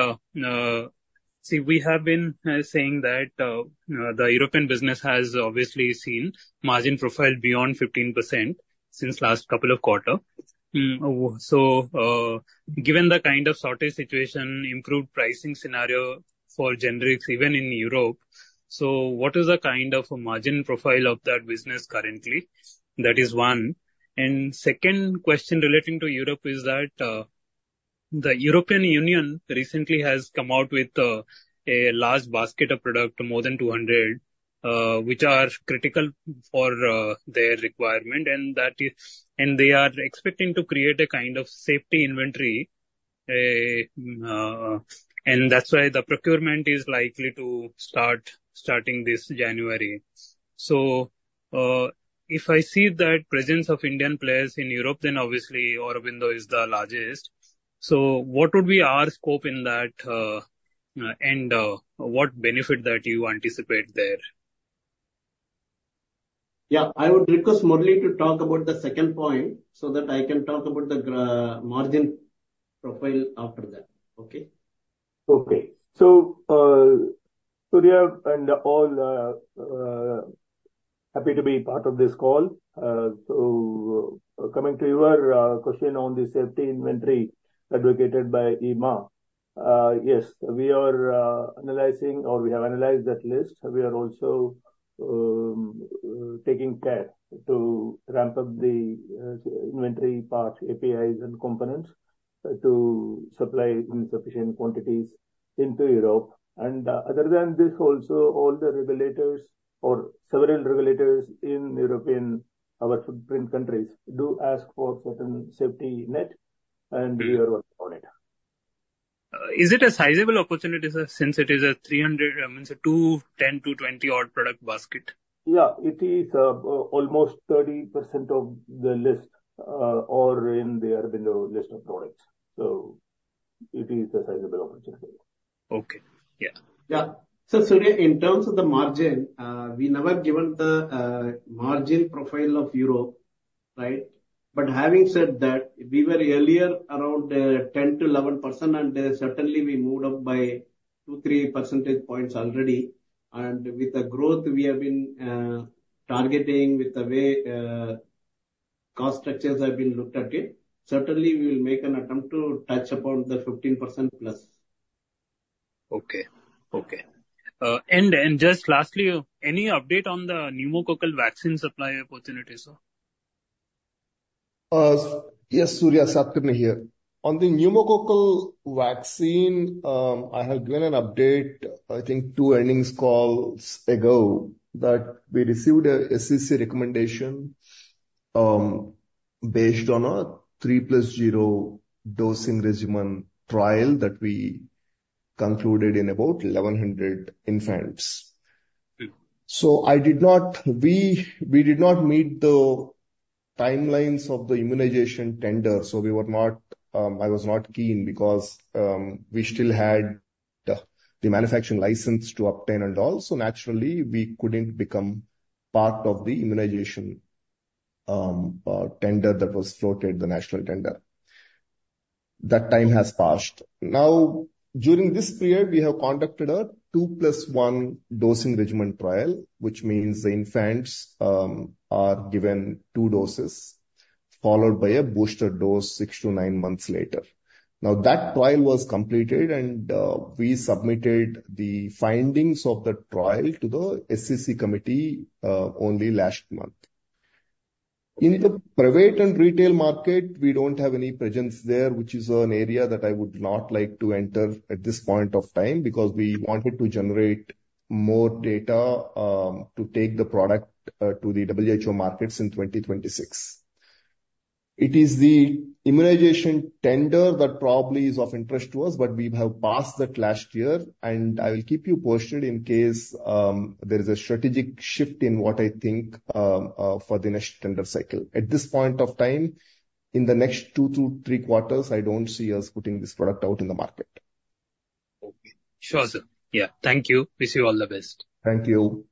Speaker 13: see, we have been saying that the European business has obviously seen margin profile beyond 15% since last couple of quarter. So, given the kind of shortage situation, improved pricing scenario for generics even in Europe, so what is the kind of margin profile of that business currently? That is one. And second question relating to Europe is that, the European Union recently has come out with a large basket of product, more than 200, which are critical for their requirement, and that is- and they are expecting to create a kind of safety inventory, and that's why the procurement is likely to start starting this January. If I see that presence of Indian players in Europe, then obviously Aurobindo is the largest. So what would be our scope in that, and what benefit that you anticipate there?
Speaker 3: Yeah, I would request Murali to talk about the second point, so that I can talk about the margin profile after that, okay?
Speaker 11: Okay. So, Surya and all, happy to be part of this call. So coming to your question on the safety inventory advocated by EMA, yes, we are analyzing or we have analyzed that list. We are also taking care to ramp up the inventory part, APIs and components, to supply in sufficient quantities into Europe. And other than this, also all the regulators or several regulators in European, our footprint countries, do ask for certain safety net, and we are working on it.
Speaker 13: Is it a sizable opportunity, sir, since it is a 300, I mean, it's a 210 to 20-odd product basket?
Speaker 11: Yeah, it is almost 30% of the list, or in the Aurobindo list of products, so it is a sizable opportunity.
Speaker 13: Okay. Yeah.
Speaker 3: Yeah. So Surya, in terms of the margin, we never given the margin profile of Europe, right? But having said that, we were earlier around 10%-11%, and certainly we moved up by 2-3 percentage points already. And with the growth we have been targeting, with the way cost structures have been looked at it, certainly we will make an attempt to touch upon the 15%+. Okay. Okay. And just lastly, any update on the pneumococcal vaccine supply opportunity, sir?...
Speaker 8: Yes, Satakarni Makkapati here. On the pneumococcal vaccine, I had given an update, I think two earnings calls ago, that we received a SEC recommendation, based on a 3+0 dosing regimen trial that we concluded in about 1,100 infants. So we did not meet the timelines of the immunization tender, so we were not, I was not keen because we still had the manufacturing license to obtain and all. So naturally we couldn't become part of the immunization tender that was floated, the national tender. That time has passed. Now, during this period, we have conducted a 2+1 dosing regimen trial, which means the infants are given two doses, followed by a booster dose six to nine months later. Now, that trial was completed, and, we submitted the findings of the trial to the SEC committee, only last month. In the private and retail market, we don't have any presence there, which is an area that I would not like to enter at this point of time, because we wanted to generate more data, to take the product, to the WHO markets in 2026. It is the immunization tender that probably is of interest to us, but we have passed that last year, and I will keep you posted in case, there is a strategic shift in what I think, for the next tender cycle. At this point of time, in the next two to three quarters, I don't see us putting this product out in the market.
Speaker 13: Okay. Sure, sir. Yeah. Thank you. Wish you all the best.
Speaker 8: Thank you.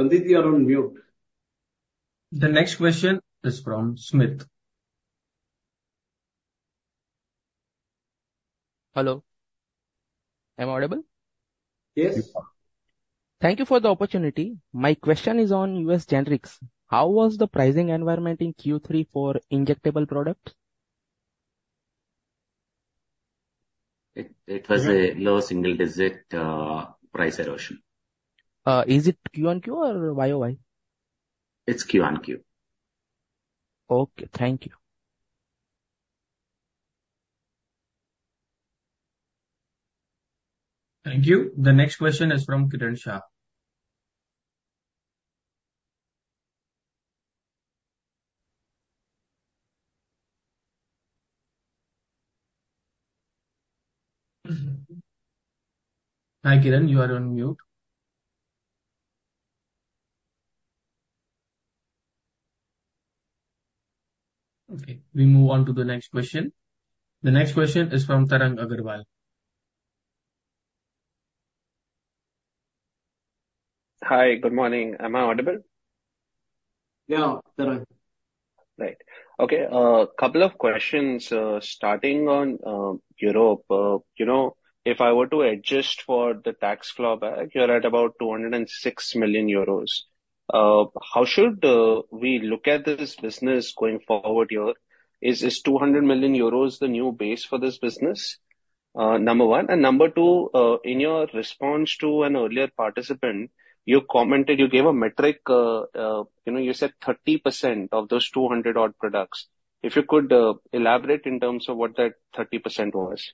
Speaker 1: Pandit, you are on mute. The next question is from Smit.
Speaker 15: Hello, am I audible?
Speaker 1: Yes.
Speaker 15: Thank you for the opportunity. My question is on US generics. How was the pricing environment in Q3 for injectable products?
Speaker 8: It was a lower single digit price erosion.
Speaker 15: Is it Q on Q or YOY?
Speaker 8: It's Q on Q.
Speaker 15: Okay. Thank you.
Speaker 1: Thank you. The next question is from Kiran Shah. Hi, Kiren, you are on mute. Okay, we move on to the next question. The next question is from Tarang Agarwal.
Speaker 16: Hi. Good morning. Am I audible?
Speaker 8: Yeah, Tarang.
Speaker 16: Right. Okay, couple of questions, starting on Europe. You know, if I were to adjust for the tax clawback, you're at about 206 million euros. How should we look at this business going forward here? Is this 200 million euros the new base for this business? Number one, and number two, in your response to an earlier participant, you commented you gave a metric, you know, you said 30% of those 200-odd products. If you could elaborate in terms of what that 30% was.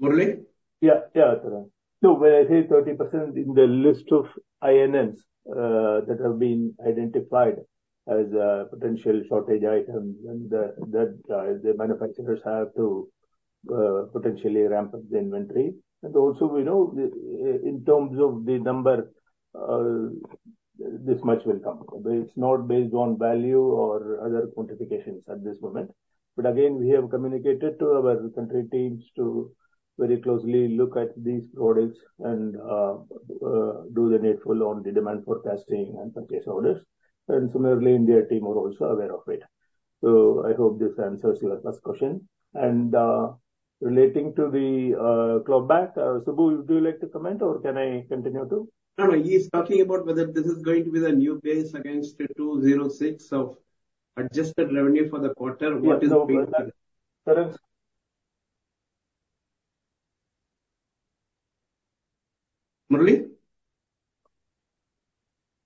Speaker 8: Murali?
Speaker 11: Yeah, yeah, Tarang. So when I say 30%, in the list of INNs, that have been identified as potential shortage items and the, that, the manufacturers have to potentially ramp up the inventory. And also, we know the, in terms of the number, this much will come. It's not based on value or other quantifications at this moment, but again, we have communicated to our country teams to very closely look at these products and, do the needful on the demand forecasting and purchase orders, and similarly, India team are also aware of it. So I hope this answers your first question. And, relating to the, clawback, Subbu, would you like to comment or can I continue to?
Speaker 3: No, no, he's talking about whether this is going to be the new base against the 206 of adjusted revenue for the quarter. What is the- Tarang. Murali?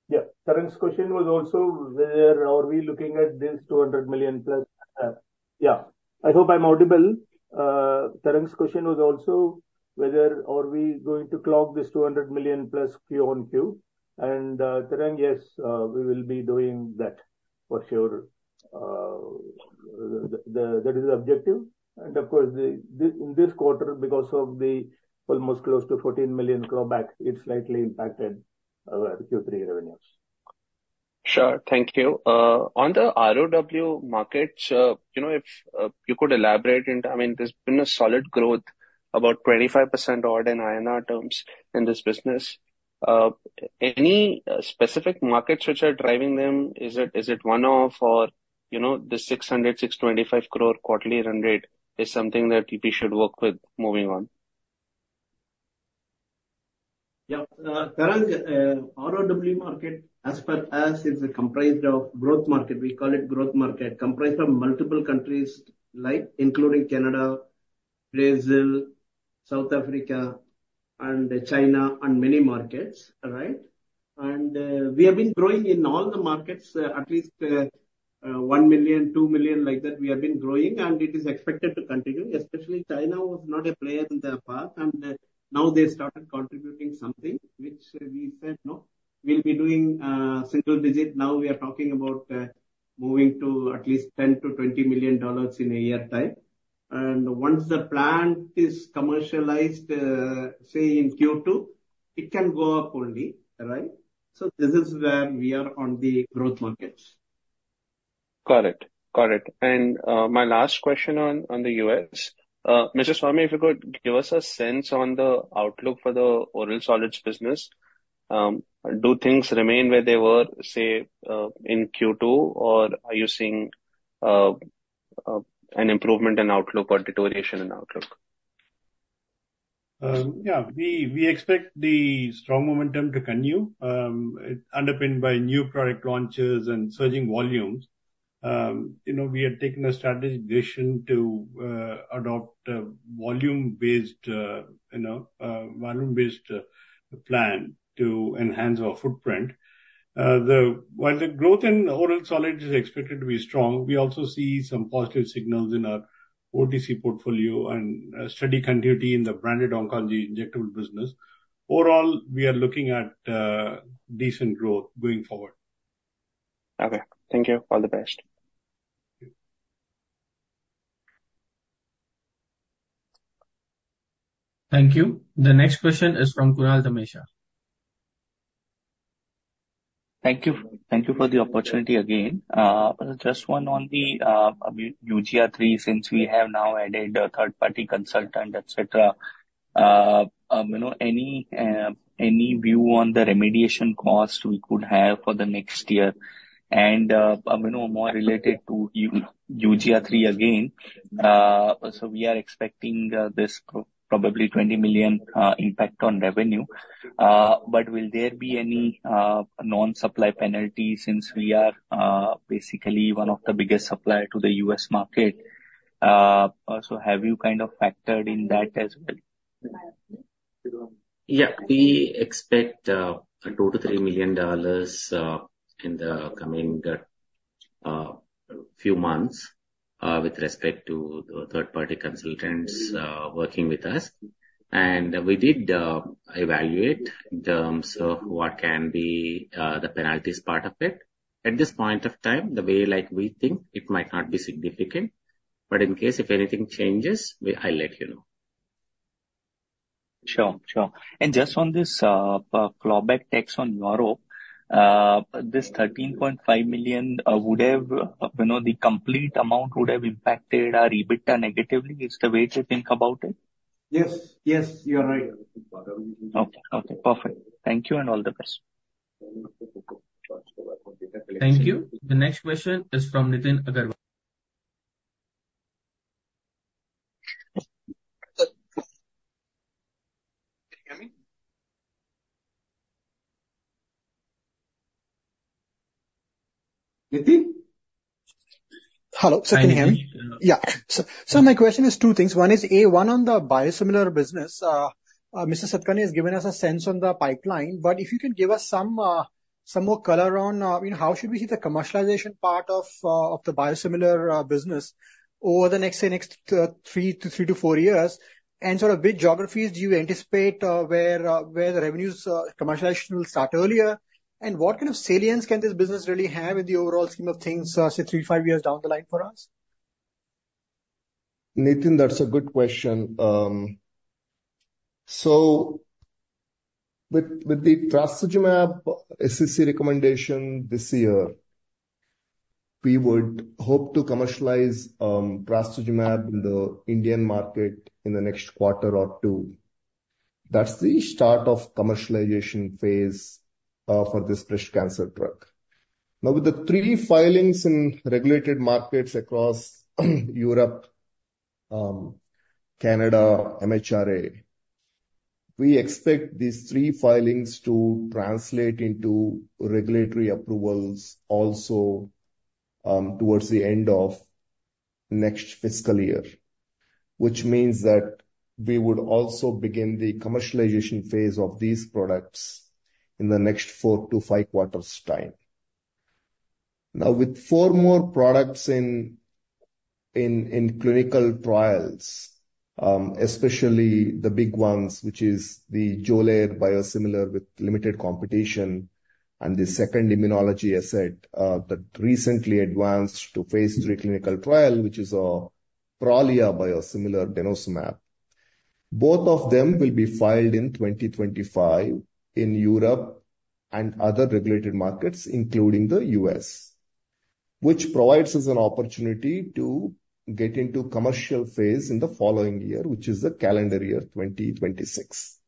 Speaker 11: Yeah. Tarang's question was also where are we looking at this $200 million plus, Yeah. I hope I'm audible. Tarang's question was also whether are we going to clock this $200 million plus Q on Q. And, Tarang, yes, we will be doing that for sure. The, that is the objective and of course, the, in this quarter, because of the almost close to 14 million clawback, it slightly impacted, our Q3 revenues.
Speaker 16: Sure. Thank you. On the ROW markets, you know, if you could elaborate into... I mean, there's been a solid growth, about 25% odd in INR terms in this business. Any specific markets which are driving them? Is it one-off or, you know, the 600-625 crore quarterly run rate is something that we should work with moving on? ...
Speaker 3: Yeah, current ROW market as per us is comprised of growth market. We call it growth market, comprised of multiple countries, like including Canada, Brazil, South Africa and China, and many markets. All right? And we have been growing in all the markets, at least $1 million, $2 million, like that. We have been growing, and it is expected to continue. Especially China was not a player in the past, and now they started contributing something which we said, no, we'll be doing single digit. Now we are talking about moving to at least $10 million-$20 million in a year time. And once the plant is commercialized, say in Q2, it can go up only, right? So this is where we are on the growth markets.
Speaker 16: Got it. Got it. And my last question on the US. Mr. Swami, if you could give us a sense on the outlook for the oral solids business, do things remain where they were, say, in Q2? Or are you seeing an improvement in outlook or deterioration in outlook?
Speaker 8: Yeah, we expect the strong momentum to continue, underpinned by new product launches and surging volumes. You know, we have taken a strategic decision to adopt a volume-based plan to enhance our footprint. While the growth in oral solids is expected to be strong, we also see some positive signals in our OTC portfolio and a steady continuity in the branded oncology injectable business. Overall, we are looking at decent growth going forward.
Speaker 16: Okay. Thank you. All the best.
Speaker 3: Thank you.
Speaker 1: Thank you. The next question is from Kunal Dhamesha.
Speaker 4: Thank you. Thank you for the opportunity again. Just one on the Eugia Unit III, since we have now added a third-party consultant, et cetera. You know, any view on the remediation cost we could have for the next year? And, you know, more related to Eugia Unit III again, so we are expecting this probably $20 million impact on revenue. But will there be any non-supply penalty since we are basically one of the biggest supplier to the U.S. market? So have you kind of factored in that as well?
Speaker 5: Yeah. We expect $2 million-$3 million in the coming few months with respect to the third-party consultants working with us. And we did evaluate the terms of what can be the penalties part of it. At this point of time, the way like we think, it might not be significant, but in case if anything changes, we, I'll let you know.
Speaker 4: Sure. Sure. And just on this, clawback tax on Europe, this 13.5 million, would have, you know, the complete amount would have impacted our EBITDA negatively, is the way to think about it?
Speaker 3: Yes. Yes, you are right.
Speaker 4: Okay. Okay, perfect. Thank you, and all the best.
Speaker 1: Thank you. The next question is from Nitin Agarwal. Can you hear me? Nitin?
Speaker 17: Hello. Can you hear me? Yeah. So, so my question is two things. One is, A, one on the biosimilar business. Mr. Satakarni has given us a sense on the pipeline, but if you can give us some, some more color on, you know, how should we see the commercialization part of, of the biosimilar, business over the next, say, next, three to, three to four years? And sort of big geographies, do you anticipate, where, where the revenues, commercialization will start earlier? And what kind of salience can this business really have in the overall scheme of things, say, three to five years down the line for us?
Speaker 8: Nitin, that's a good question. So with the Trastuzumab SEC recommendation this year, we would hope to commercialize Trastuzumab in the Indian market in the next quarter or two. That's the start of commercialization phase for this breast cancer drug. Now, with the three filings in regulated markets across Europe, Canada, MHRA, we expect these three filings to translate into regulatory approvals also towards the end of next fiscal year. Which means that we would also begin the commercialization phase of these products in the next four to five quarters time. Now, with four more products in clinical trials, especially the big ones, which is the Xolair biosimilar with limited competition, and the second immunology asset that recently advanced to Phase III clinical trial, which is a Prolia biosimilar, Denosumab. Both of them will be filed in 2025 in Europe and other regulated markets, including the U.S., which provides us an opportunity to get into commercial phase in the following year, which is the calendar year, 2026.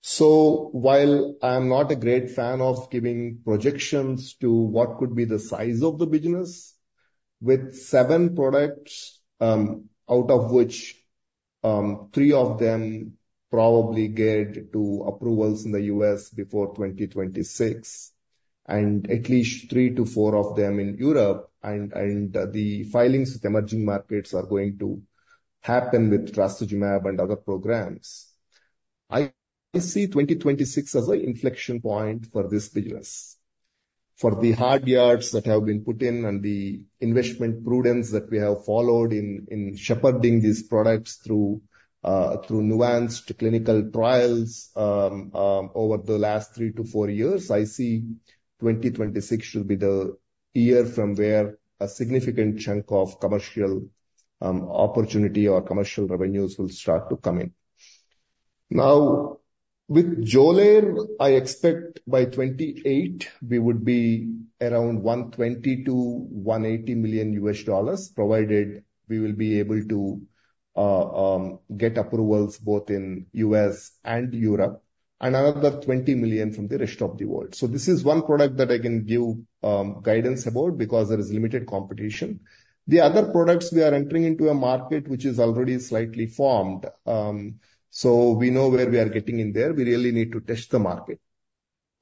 Speaker 8: So while I'm not a great fan of giving projections to what could be the size of the business with seven products, out of which, three of them probably get to approvals in the U.S. before 2026, and at least three to four of them in Europe. And the filings with emerging markets are going to happen with Trastuzumab and other programs. I see 2026 as an inflection point for this business. For the hard yards that have been put in and the investment prudence that we have followed in shepherding these products through nuanced clinical trials over the last three to four years. I see 2026 should be the year from where a significant chunk of commercial opportunity or commercial revenues will start to come in. Now, with Xolair, I expect by 2028 we would be around $120 million-$180 million, provided we will be able to get approvals both in U.S. and Europe, and another $20 million from the rest of the world. So this is one product that I can give guidance about because there is limited competition. The other products, we are entering into a market which is already slightly formed. So we know where we are getting in there. We really need to test the market.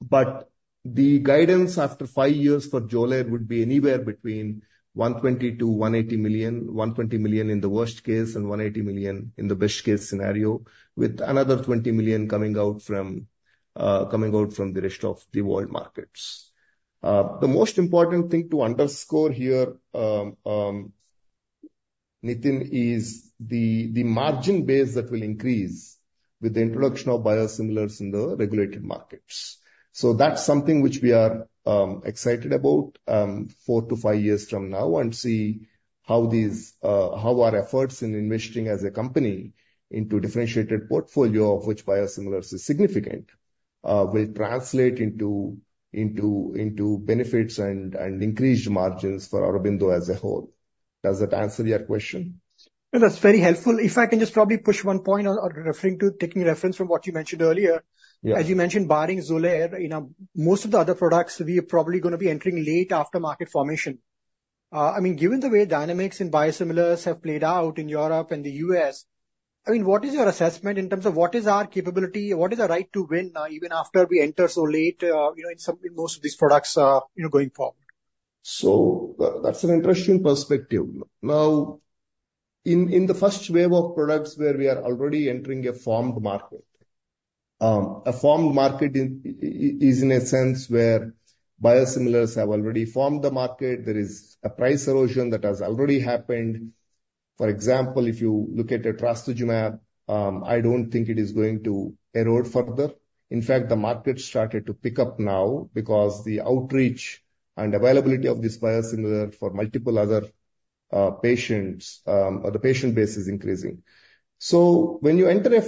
Speaker 8: But the guidance after five years for Xolair would be anywhere between $120 million-$180 million. $120 million in the worst case and $180 million in the best case scenario, with another $20 million coming out from, coming out from the rest of the world markets. The most important thing to underscore here, Nitin, is the, the margin base that will increase with the introduction of biosimilars in the regulated markets. So that's something which we are, excited about, four to five years from now, and see how these, how our efforts in investing as a company into differentiated portfolio, of which biosimilars is significant, will translate into, into, into benefits and, and increased margins for Aurobindo as a whole. Does that answer your question?
Speaker 17: Well, that's very helpful. If I can just probably push one point or, or referring to, taking reference from what you mentioned earlier.
Speaker 8: Yeah.
Speaker 17: As you mentioned, barring Xolair, you know, most of the other products we are probably gonna be entering late after market formation. I mean, given the way dynamics in biosimilars have played out in Europe and the U.S., I mean, what is your assessment in terms of what is our capability? What is our right to win, you know, in some, in most of these products, you know, going forward?
Speaker 8: So that's an interesting perspective. Now, in the first wave of products where we are already entering a formed market, a formed market is, is in a sense where biosimilars have already formed the market. There is a price erosion that has already happened. For example, if you look at a Trastuzumab, I don't think it is going to erode further. In fact, the market started to pick up now because the outreach and availability of this biosimilar for multiple other patients, or the patient base is increasing. So when you enter a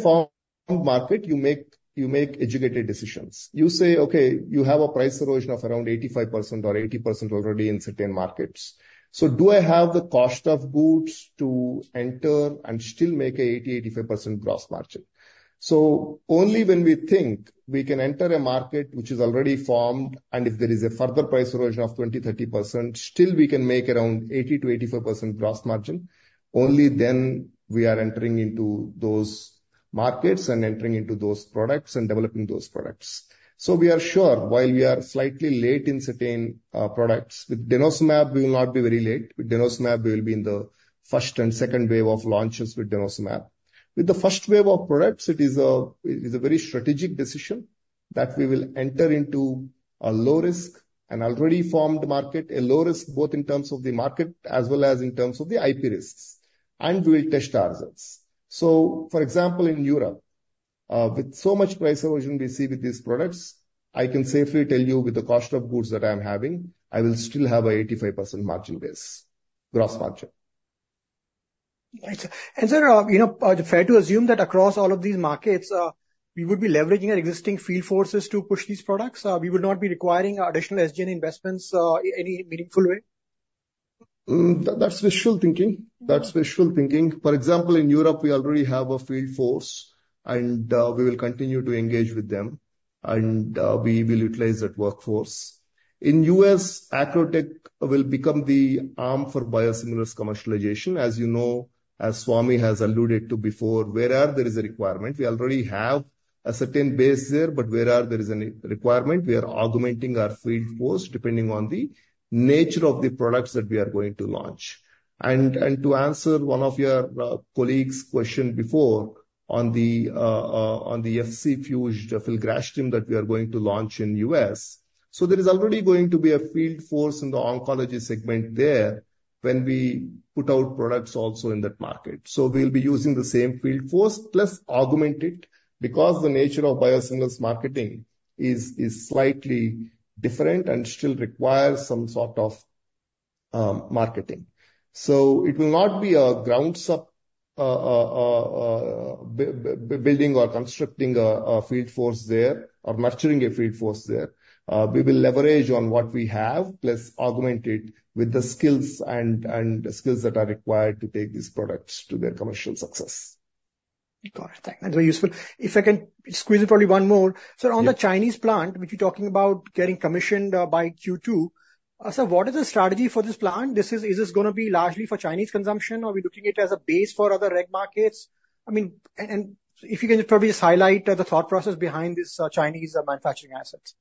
Speaker 8: formed market, you make, you make educated decisions. You say, "Okay, you have a price erosion of around 85% or 80% already in certain markets. So do I have the cost of goods to enter and still make an 80-85% gross margin?" So only when we think we can enter a market which is already formed, and if there is a further price erosion of 20-30%, still we can make around 80%-84% gross margin, only then we are entering into those markets and entering into those products and developing those products. So we are sure, while we are slightly late in certain products, with Denosumab we will not be very late. With Denosumab, we will be in the first and second wave of launches with Denosumab. With the first wave of products, it is a very strategic decision that we will enter into a low risk, an already formed market, a low risk both in terms of the market as well as in terms of the IP risks, and we will test our results. So, for example, in Europe, with so much price erosion we see with these products, I can safely tell you with the cost of goods that I am having, I will still have an 85% margin base, gross margin.
Speaker 17: Right. And, sir, you know, fair to assume that across all of these markets, we would be leveraging our existing field forces to push these products? We would not be requiring additional SG&A investments, any meaningful way?
Speaker 8: That's wishful thinking. That's wishful thinking. For example, in Europe, we already have a field force, and we will continue to engage with them, and we will utilize that workforce. In U.S., Acrotech will become the arm for biosimilars commercialization. As you know, as Swami has alluded to before, where there is a requirement, we already have a certain base there, but where there is a requirement, we are augmenting our field force depending on the nature of the products that we are going to launch. And to answer one of your colleague's question before on the pegfilgrastim that we are going to launch in U.S. So there is already going to be a field force in the oncology segment there when we put out products also in that market. So we'll be using the same field force, plus augment it, because the nature of biosimilars marketing is slightly different and still requires some sort of marketing. So it will not be a ground-up building or constructing a field force there, or nurturing a field force there. We will leverage on what we have, plus augment it with the skills that are required to take these products to their commercial success. ...
Speaker 17: Got it. Thank you, very useful. If I can squeeze in probably one more. Sir, on the Chinese plant, which you're talking about getting commissioned by Q2, sir, what is the strategy for this plant? This is- Is this gonna be largely for Chinese consumption, or are we looking it as a base for other reg markets? I mean, and if you can just probably just highlight the thought process behind this Chinese manufacturing assets.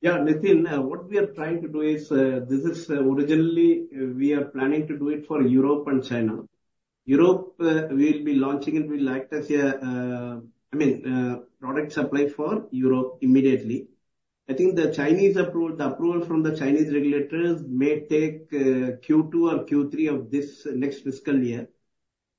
Speaker 3: Yeah, Nitin, what we are trying to do is, this is originally we are planning to do it for Europe and China. Europe, we'll be launching it. We'll act as a, I mean, product supply for Europe immediately. I think the Chinese approval, the approval from the Chinese regulators may take, Q2 or Q3 of this next fiscal year,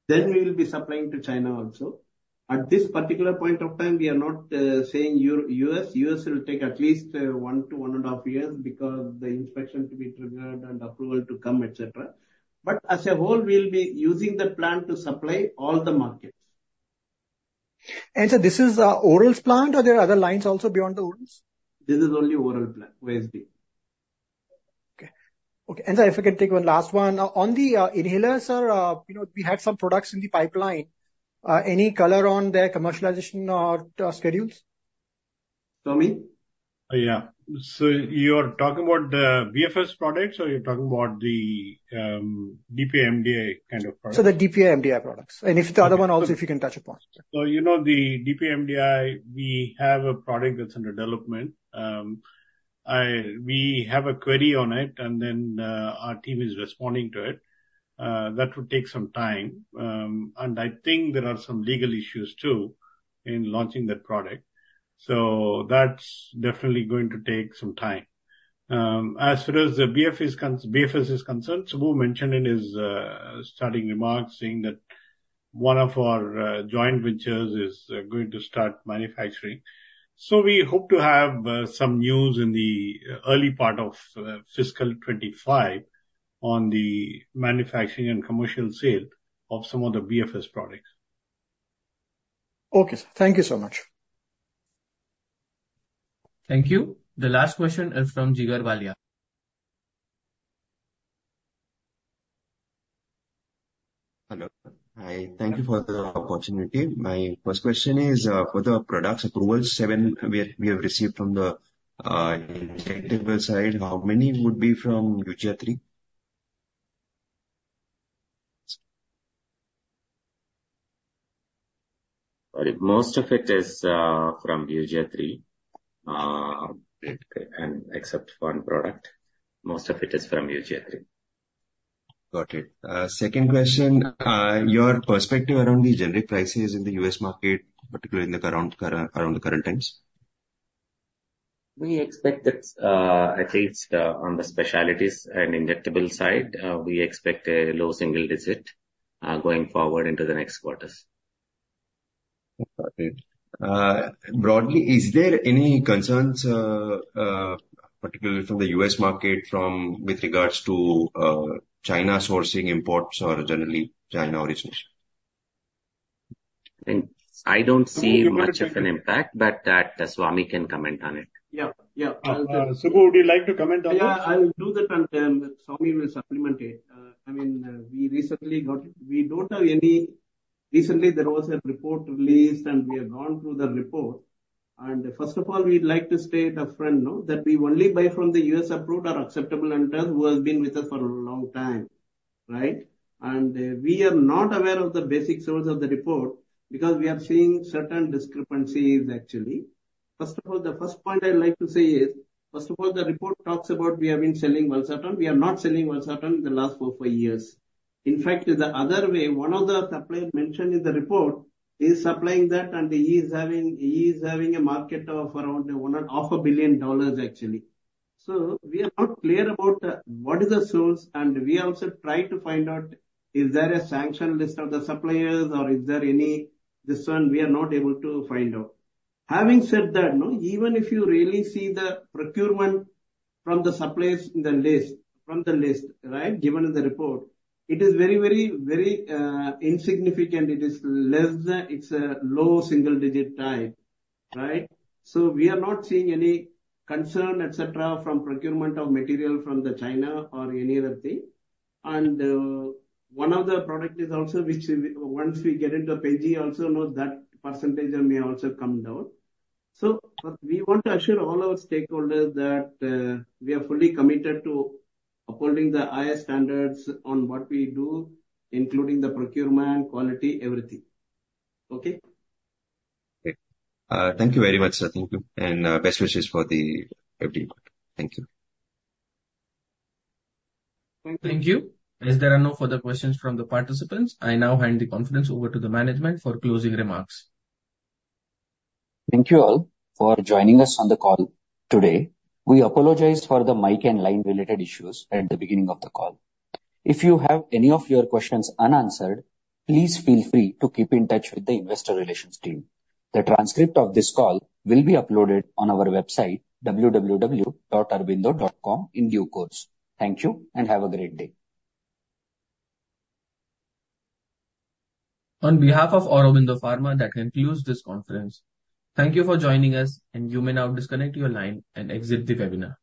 Speaker 3: then we will be supplying to China also. At this particular point of time, we are not saying U.S. U.S. will take at least, one to one and a half years because the inspection to be triggered and approval to come, et cetera. But as a whole, we'll be using that plant to supply all the markets.
Speaker 17: This is orals plant, or there are other lines also beyond the orals?
Speaker 3: This is only oral plant, OSD.
Speaker 17: Okay. Okay, and if I can take one last one. On the inhaler, sir, you know, we had some products in the pipeline. Any color on their commercialization or schedules?
Speaker 3: Swami?
Speaker 14: Yeah. So you're talking about the BFS products, or you're talking about the, DPI, MDI kind of products?
Speaker 17: So the DPI, MDI products, and if the other one also, if you can touch upon.
Speaker 14: So, you know, the DPI, MDI, we have a product that's under development. We have a query on it, and then our team is responding to it. That would take some time, and I think there are some legal issues, too, in launching that product. So that's definitely going to take some time. As far as the BFS is concerned, Subbu mentioned in his starting remarks, saying that one of our joint ventures is going to start manufacturing. So we hope to have some news in the early part of fiscal 2025 on the manufacturing and commercial sale of some of the BFS products.
Speaker 17: Okay, sir. Thank you so much.
Speaker 1: Thank you. The last question is from Jigar Valia.
Speaker 18: Hello. Hi, thank you for the opportunity. My first question is, for the product approvals, seven we have received from the injectable side, how many would be from Eugia Unit III?
Speaker 5: Most of it is from Eugia III, and except one product, most of it is from Eugia III.
Speaker 18: Got it. Second question: your perspective around the generic prices in the U.S. market, particularly in the current, around the current times?
Speaker 5: We expect that, at least, on the specialties and injectable side, we expect a low single digit, going forward into the next quarters.
Speaker 18: Got it. Broadly, is there any concerns, particularly from the U.S. market from, with regards to, China sourcing imports or generally China origins?
Speaker 5: I think I don't see much of an impact, but, Swami can comment on it.
Speaker 17: Yeah, yeah.
Speaker 14: Subbu, would you like to comment on that?
Speaker 3: Yeah, I will do that, and then Swami will supplement it. I mean, recently there was a report released, and we have gone through the report, and first of all, we'd like to state upfront, no, that we only buy from the U.S. approved or acceptable vendors who has been with us for a long time, right? And we are not aware of the basic source of the report because we are seeing certain discrepancies, actually. First of all, the first point I'd like to say is, first of all, the report talks about we have been selling Valsartan. We are not selling Valsartan in the last four to five years years. In fact, the other way, one of the suppliers mentioned in the report is supplying that, and he is having, he is having a market of around $1.5 billion, actually. So we are not clear about what is the source, and we also tried to find out is there a sanction list of the suppliers or is there any this one, we are not able to find out. Having said that, no, even if you really see the procurement from the suppliers in the list, from the list, right, given in the report, it is very, very, very insignificant. It is less than, it's a low single digit type, right? So we are not seeing any concern, et cetera, from procurement of material from China or any other thing. One of the product is also, which once we get into Pen G also, no, that percentage may also come down. So we want to assure all our stakeholders that, we are fully committed to upholding the highest standards on what we do, including the procurement, quality, everything. Okay?
Speaker 18: Great. Thank you very much, sir. Thank you, and best wishes for the everyone. Thank you.
Speaker 1: Thank you. As there are no further questions from the participants, I now hand the conference over to the management for closing remarks.
Speaker 2: Thank you all for joining us on the call today. We apologize for the mic and line related issues at the beginning of the call. If you have any of your questions unanswered, please feel free to keep in touch with the investor relations team. The transcript of this call will be uploaded on our website, www.aurobindo.com, in due course. Thank you, and have a great day.
Speaker 1: On behalf of Aurobindo Pharma, that concludes this conference. Thank you for joining us, and you may now disconnect your line and exit the webinar.